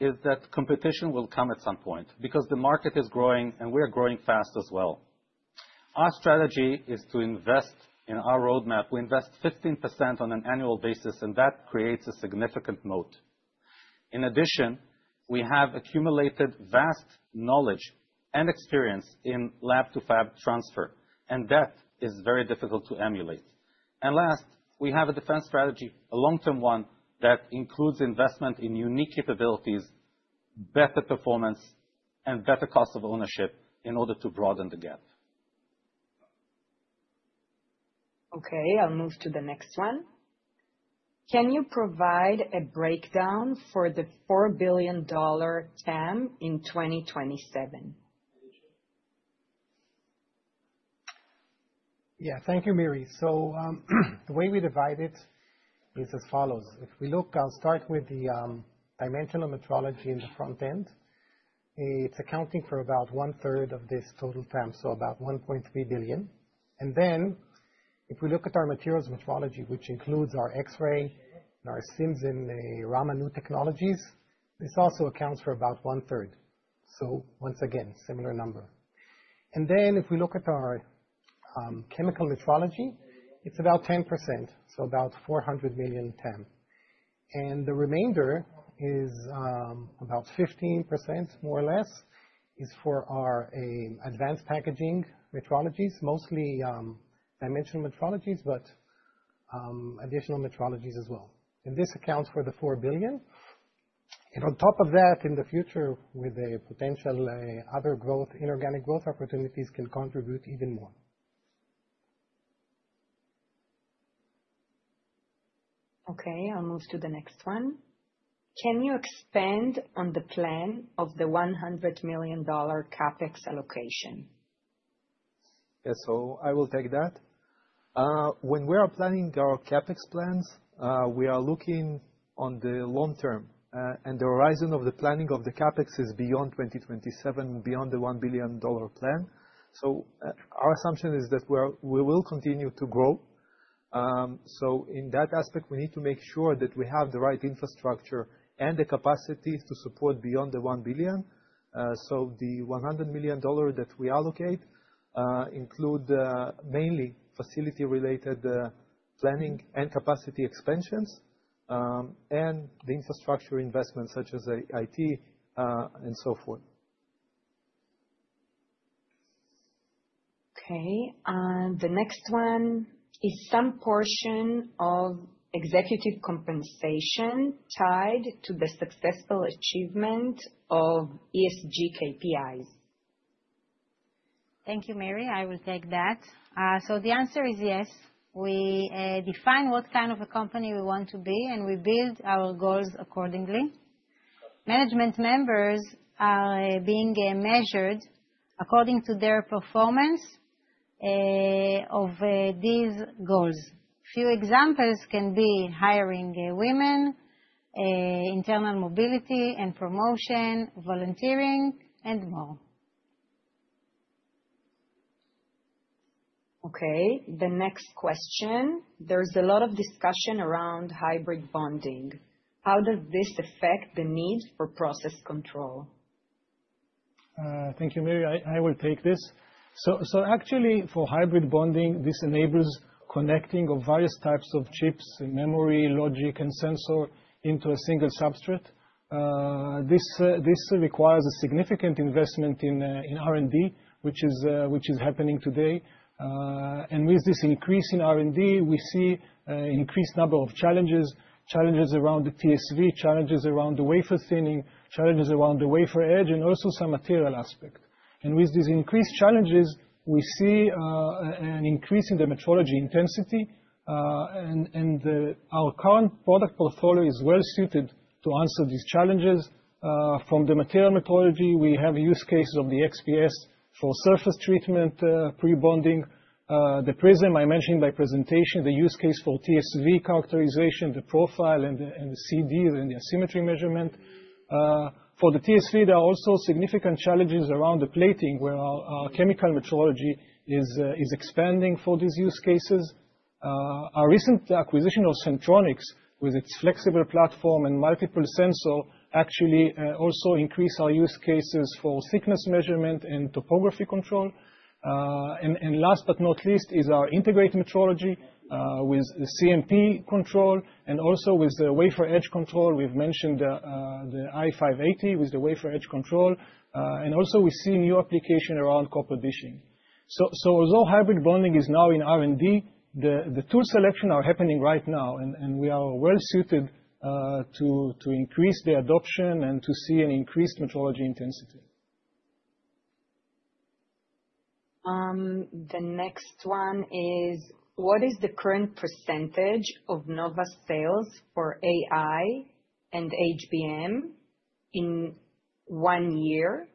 is that competition will come at some point because the market is growing, and we are growing fast as well. Our strategy is to invest in our roadmap. We invest 15% on an annual basis, and that creates a significant moat. In addition, we have accumulated vast knowledge and experience in lab-to-fab transfer, and that is very difficult to emulate. Last, we have a defense strategy, a long-term one that includes investment in unique capabilities, better performance, and better cost of ownership in order to broaden the gap. Okay, I'll move to the next one. Can you provide a breakdown for the $4 billion TAM in 2027? Yeah, thank you, Miri. The way we divide it is as follows. If we look, I'll start with the dimension of metrology in the front end. It's accounting for about one-third of this total TAM, so about $1.3 billion. If we look at our materials metrology, which includes our X-ray and our SIMS and Raman technologies, this also accounts for about 1/3. Once again, similar number. If we look at our chemical metrology, it's about 10%, so about $400 million TAM. The remainder is about 15%, more or less, for our advanced packaging metrologies, mostly dimension metrologies, but additional metrologies as well. This accounts for the $4 billion. On top of that, in the future, with the potential other growth, inorganic growth opportunities can contribute even more. Okay, I'll move to the next one. Can you expand on the plan of the $100 million CapEx allocation? Yes, I will take that. When we are planning our CapEx plans, we are looking on the long term, and the horizon of the planning of the CapEx is beyond 2027, beyond the $1 billion plan. Our assumption is that we will continue to grow. In that aspect, we need to make sure that we have the right infrastructure and the capacity to support beyond the $1 billion. The $100 million that we allocate includes mainly facility-related planning and capacity expansions and the infrastructure investments, such as IT and so forth. Okay, and the next one is some portion of executive compensation tied to the successful achievement of ESG KPIs. Thank you, Miri. I will take that. The answer is yes. We define what kind of a company we want to be, and we build our goals accordingly. Management members are being measured according to their performance of these goals. Few examples can be hiring women, internal mobility and promotion, volunteering, and more. Okay, the next question. There's a lot of discussion around hybrid bonding. How does this affect the need for process control? Thank you, Miri. I will take this. Actually, for hybrid bonding, this enables connecting of various types of chips, memory, logic, and sensor into a single substrate. This requires a significant investment in R&D, which is happening today. With this increase in R&D, we see an increased number of challenges, challenges around the TSV, challenges around the wafer thinning, challenges around the wafer edge, and also some material aspect. With these increased challenges, we see an increase in the metrology intensity. Our current product portfolio is well-suited to answer these challenges. From the material metrology, we have use cases of the XPS for surface treatment, pre-bonding, the Prism I mentioned by presentation, the use case for TSV characterization, the profile, and the CDs and the asymmetry measurement. For the TSV, there are also significant challenges around the plating, where our chemical metrology is expanding for these use cases. Our recent acquisition of Sentronics, with its flexible platform and multiple sensors, actually also increased our use cases for thickness measurement and topography control. Last but not least is our integrated metrology with CMP control and also with the wafer edge control. We've mentioned the i580 with the wafer edge control. Also, we see new applications around copper dishing. Although hybrid bonding is now in R&D, the tool selections are happening right now, and we are well-suited to increase the adoption and to see an increased metrology intensity. The next one is: What is the current percentage of Nova sales for AI and HBM in one year?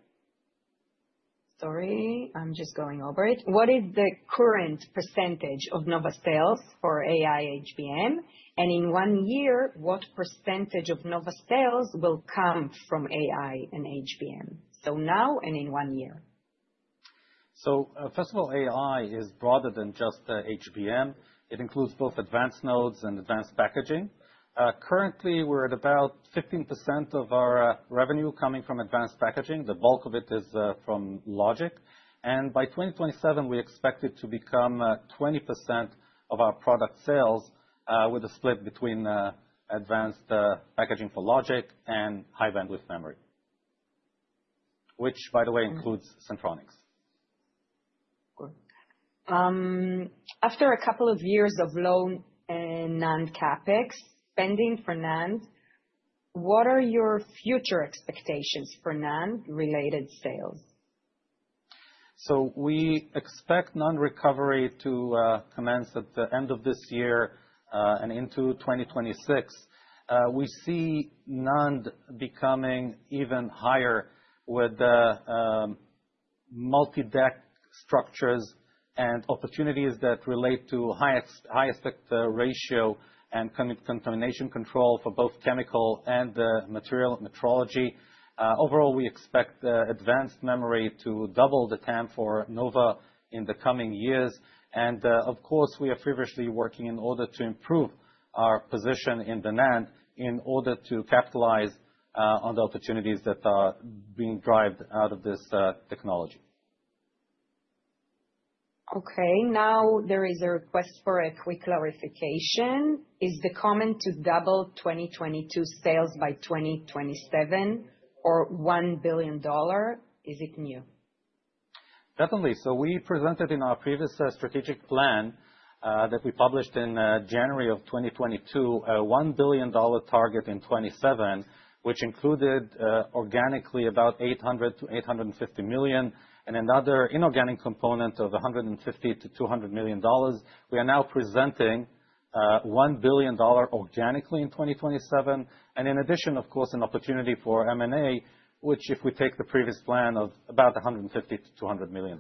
Sorry, I'm just going over it. What is the current percentage of Nova sales for AI, HBM, and in one year, what percentage of Nova sales will come from AI and HBM? Now and in one year. First of all, AI is broader than just HBM. It includes both advanced nodes and advanced packaging. Currently, we're at about 15% of our revenue coming from advanced packaging. The bulk of it is from logic. By 2027, we expect it to become 20% of our product sales, with a split between advanced packaging for logic and high-bandwidth memory, which, by the way, includes Sentronics. After a couple of years of low NAND CapEx spending for NAND, what are your future expectations for NAND-related sales? We expect NAND recovery to commence at the end of this year and into 2026. We see NAND becoming even higher with multi-deck structures and opportunities that relate to high-aspect ratio and contamination control for both chemical and material metrology. Overall, we expect advanced memory to double the TAM for Nova in the coming years. Of course, we are feverishly working in order to improve our position in the NAND in order to capitalize on the opportunities that are being derived out of this technology. Okay, now there is a request for a quick clarification. Is the comment to double 2022 sales by 2027 or $1 billion? Is it new? Definitely. We presented in our previous strategic plan that we published in January of 2022 a $1 billion target in 2027, which included organically about $800 million-$850 million and another inorganic component of $150 million-$200 million. We are now presenting $1 billion organically in 2027. In addition, of course, an opportunity for M&A, which, if we take the previous plan, is about $150 million-$200 million.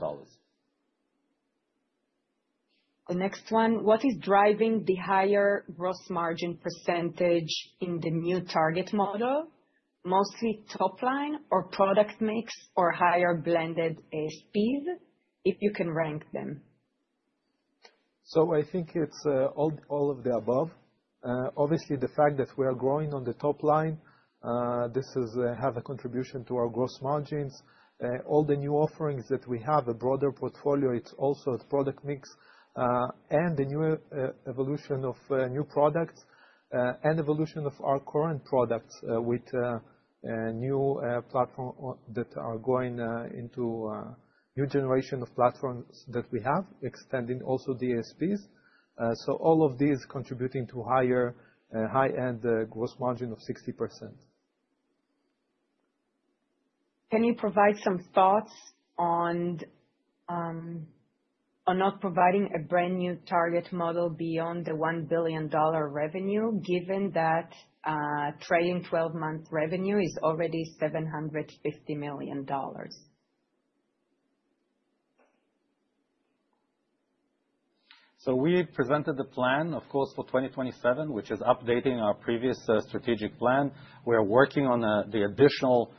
The next one: What is driving the higher gross margin percentage in the new target model, mostly top line or product mix or higher blended speed, if you can rank them? I think it's all of the above. Obviously, the fact that we are growing on the top line, this has a contribution to our gross margins. All the new offerings that we have, a broader portfolio, it's also a product mix, and the new evolution of new products and evolution of our current products with new platforms that are going into a new generation of platforms that we have, extending also the SPs. All of these contributing to higher high-end gross margin of 60%. Can you provide some thoughts on not providing a brand new target model beyond the $1 billion revenue, given that trailing 12-month revenue is already $750 million? We presented the plan, of course, for 2027, which is updating our previous strategic plan. We are working on the additional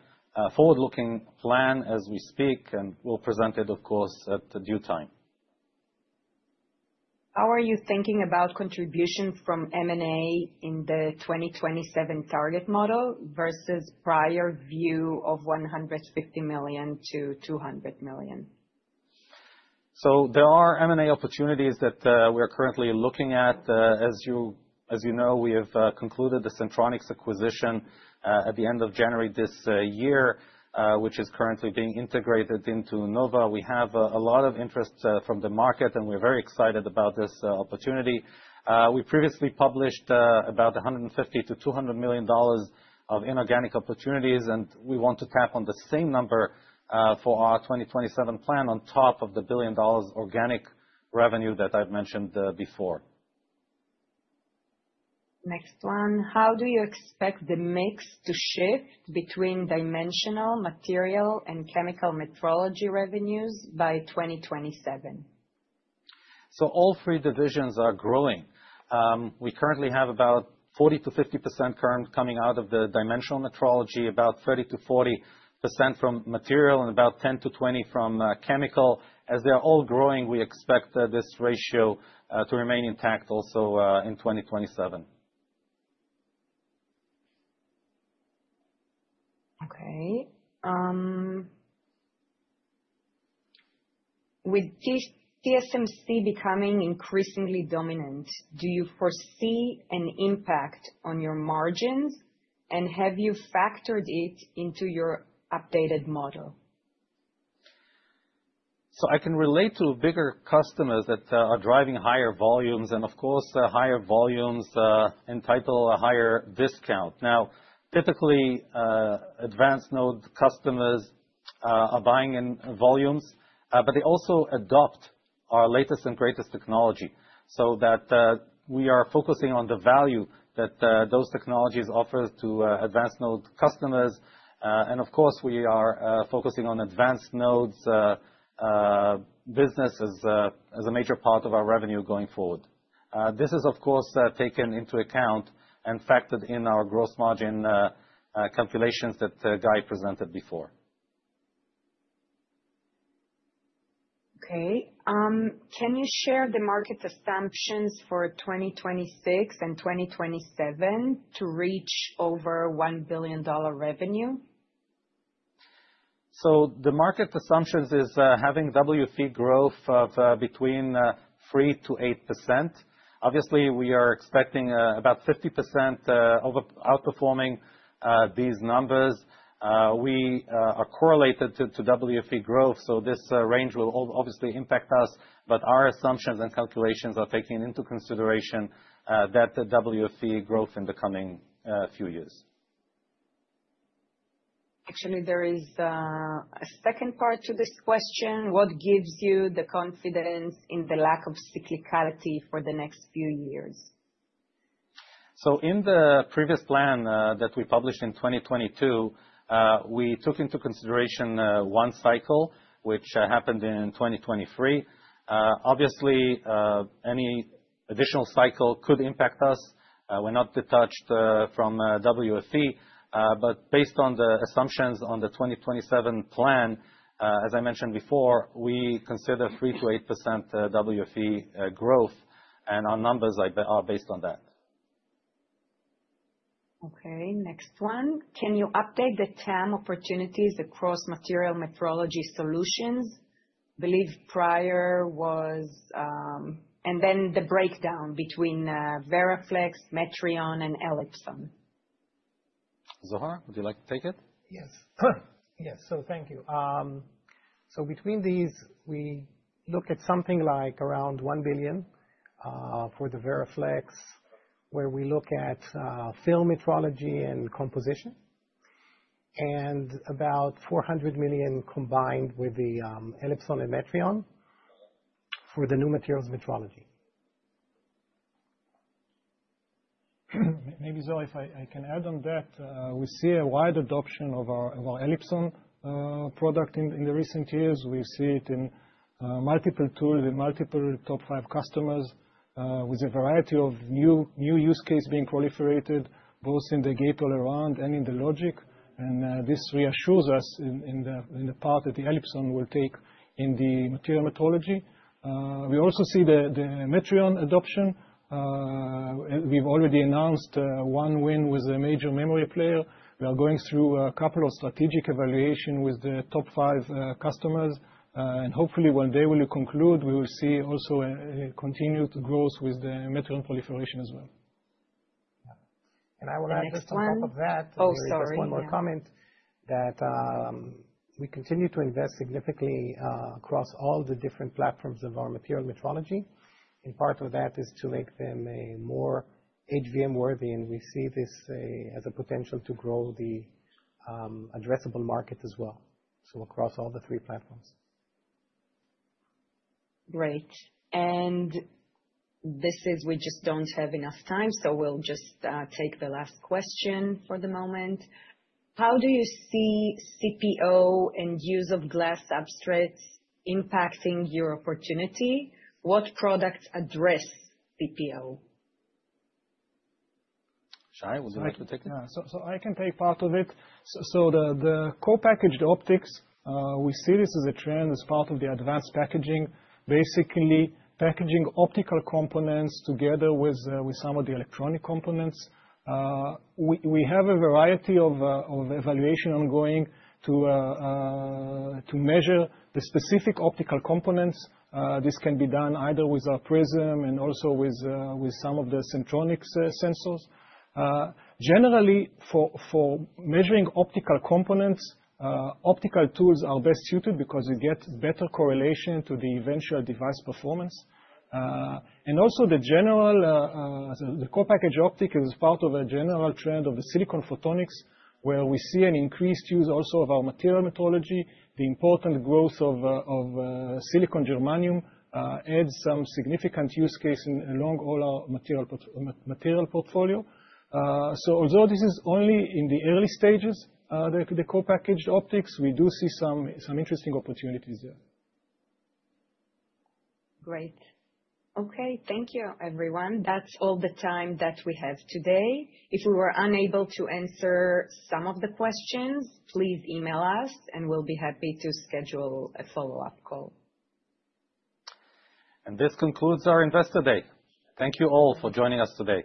forward-looking plan as we speak, and we'll present it, of course, at due time. How are you thinking about contributions from M&A in the 2027 target model versus prior view of $150 million-$200 million? There are M&A opportunities that we are currently looking at. As you know, we have concluded the Sentronics acquisition at the end of January this year, which is currently being integrated into Nova. We have a lot of interest from the market, and we're very excited about this opportunity. We previously published about $150 million-$200 million of inorganic opportunities, and we want to tap on the same number for our 2027 plan on top of the $1 billion organic revenue that I've mentioned before. Next one: How do you expect the mix to shift between dimensional, material, and chemical metrology revenues by 2027? All three divisions are growing. We currently have about 40%-50% coming out of the dimensional metrology, about 30%-40% from material, and about 10%-20% from chemical. As they are all growing, we expect this ratio to remain intact also in 2027. Okay. With TSMC becoming increasingly dominant, do you foresee an impact on your margins, and have you factored it into your updated model? I can relate to bigger customers that are driving higher volumes, and of course, higher volumes entitle a higher discount. Typically, advanced node customers are buying in volumes, but they also adopt our latest and greatest technology. We are focusing on the value that those technologies offer to advanced node customers. Of course, we are focusing on advanced nodes business as a major part of our revenue going forward. This is, of course, taken into account and factored in our gross margin calculations that Guy presented before. Okay. Can you share the market assumptions for 2026 and 2027 to reach over $1 billion revenue? The market assumptions is having WFE growth of between 3%-8%. Obviously, we are expecting about 50% of outperforming these numbers. We are correlated to WFE growth, so this range will obviously impact us, but our assumptions and calculations are taking into consideration that WFE growth in the coming few years. Actually, there is a second part to this question. What gives you the confidence in the lack of cyclicality for the next few years? In the previous plan that we published in 2022, we took into consideration one cycle, which happened in 2023. Obviously, any additional cycle could impact us. We're not detached from WFE, but based on the assumptions on the 2027 plan, as I mentioned before, we consider 3%-8% WFE growth, and our numbers are based on that. Okay, next one. Can you update the TAM opportunities across material metrology solutions? I believe prior was, and then the breakdown between VeraFlex, Metrion, and Elipson. Zohar, would you like to take it? Yes. Yes, thank you. Between these, we look at something like around $1 billion for the VeraFlex, where we look at film metrology and composition, and about $400 million combined with the Elipson and Metrion for the new materials metrology. Maybe, Zohar, if I can add on that. We see a wide adoption of our Elipson product in the recent years. We see it in multiple tools and multiple top five customers, with a variety of new use cases being proliferated, both in the Gate-All-Around and in the logic. This reassures us in the part that the Elipson will take in the material metrology. We also see the Metrion adoption. We've already announced one win with a major memory player. We are going through a couple of strategic evaluations with the top five customers. Hopefully, when they will conclude, we will see also a continued growth with the Metrion proliferation as well. I want to add just on top of that. Oh, sorry. Just one more comment. We continue to invest significantly across all the different platforms of our material metrology. Part of that is to make them more HBM-worthy, and we see this as a potential to grow the addressable market as well, so across all the three platforms. Great. We just do not have enough time, so we will just take the last question for the moment. How do you see CPO and use of glass substrates impacting your opportunity? What products address CPO? Shay, would you like to take it? Yeah, I can take part of it. The co-packaged optics, we see this as a trend as part of the advanced packaging, basically packaging optical components together with some of the electronic components. We have a variety of evaluations ongoing to measure the specific optical components. This can be done either with our Prism and also with some of the Sentronics sensors. Generally, for measuring optical components, optical tools are best suited because we get better correlation to the eventual device performance. Also, the general co-packaged optic is part of a general trend of the silicon photonics, where we see an increased use also of our material metrology. The important growth of silicon germanium adds some significant use case along all our material portfolio. Although this is only in the early stages, the co-packaged optics, we do see some interesting opportunities there. Great. Okay, thank you, everyone. That's all the time that we have today. If we were unable to answer some of the questions, please email us, and we'll be happy to schedule a follow-up call. This concludes our Investor Day. Thank you all for joining us today.